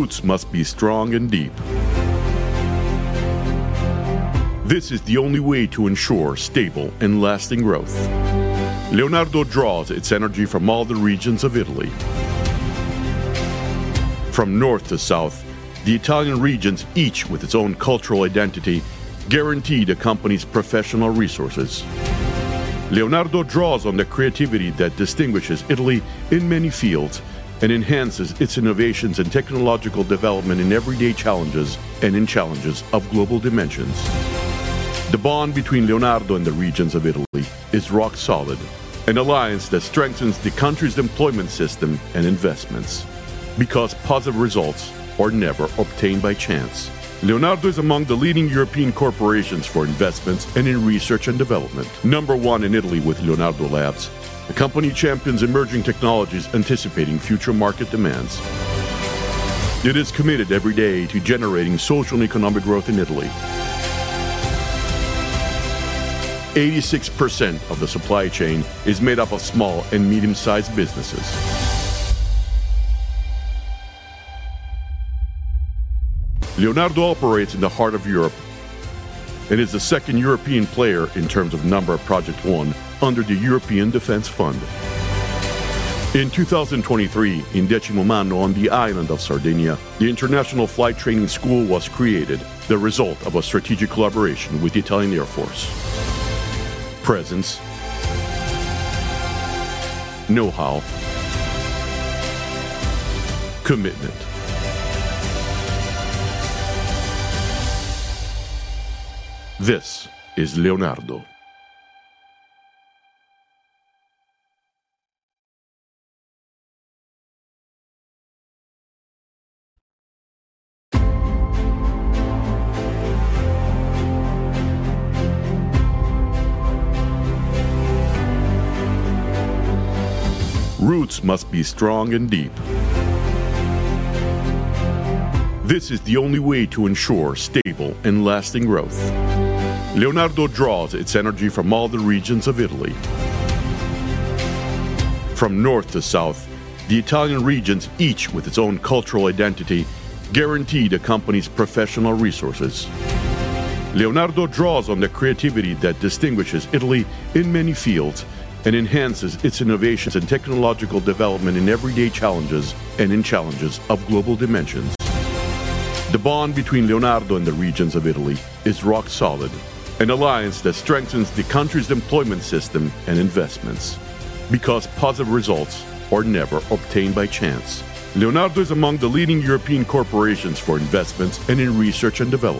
Roots must be strong and deep. This is the only way to ensure stable and lasting growth. Leonardo draws its energy from all the regions of Italy. From north to south, the Italian regions, each with its own cultural identity, guarantee the company's professional resources. Leonardo draws on the creativity that distinguishes Italy in many fields and enhances its innovations and technological development in everyday challenges and in challenges of global dimensions. The bond between Leonardo and the regions of Italy is rock solid, an alliance that strengthens the country's employment system and investments because positive results are never obtained by chance. Leonardo is among the leading European corporations for investments and in research and development. Number one in Italy with Leonardo Labs, the company champions emerging technologies anticipating future market demands. It is committed every day to generating social and economic growth in Italy. 86% of the supply chain is made up of small and medium-sized businesses. Leonardo operates in the heart of Europe and is the second European player in terms of number of project won under the European Defense Fund. In 2023, in Decimomannu on the island of Sardinia, the International Flight Training School was created, the result of a strategic collaboration with the Italian Air Force. Presence, know-how, commitment. This is Leonardo. Roots must be strong and deep. This is the only way to ensure stable and lasting growth. Leonardo draws its energy from all the regions of Italy. From north to south, the Italian regions, each with its own cultural identity, guarantee the company's professional resources. Leonardo draws on the creativity that distinguishes Italy in many fields and enhances its innovations and technological development in everyday challenges and in challenges of global dimensions. The bond between Leonardo and the regions of Italy is rock solid, an alliance that strengthens the country's employment system and investments because positive results are never obtained by chance. Leonardo is among the leading European corporations for investments and in research and development.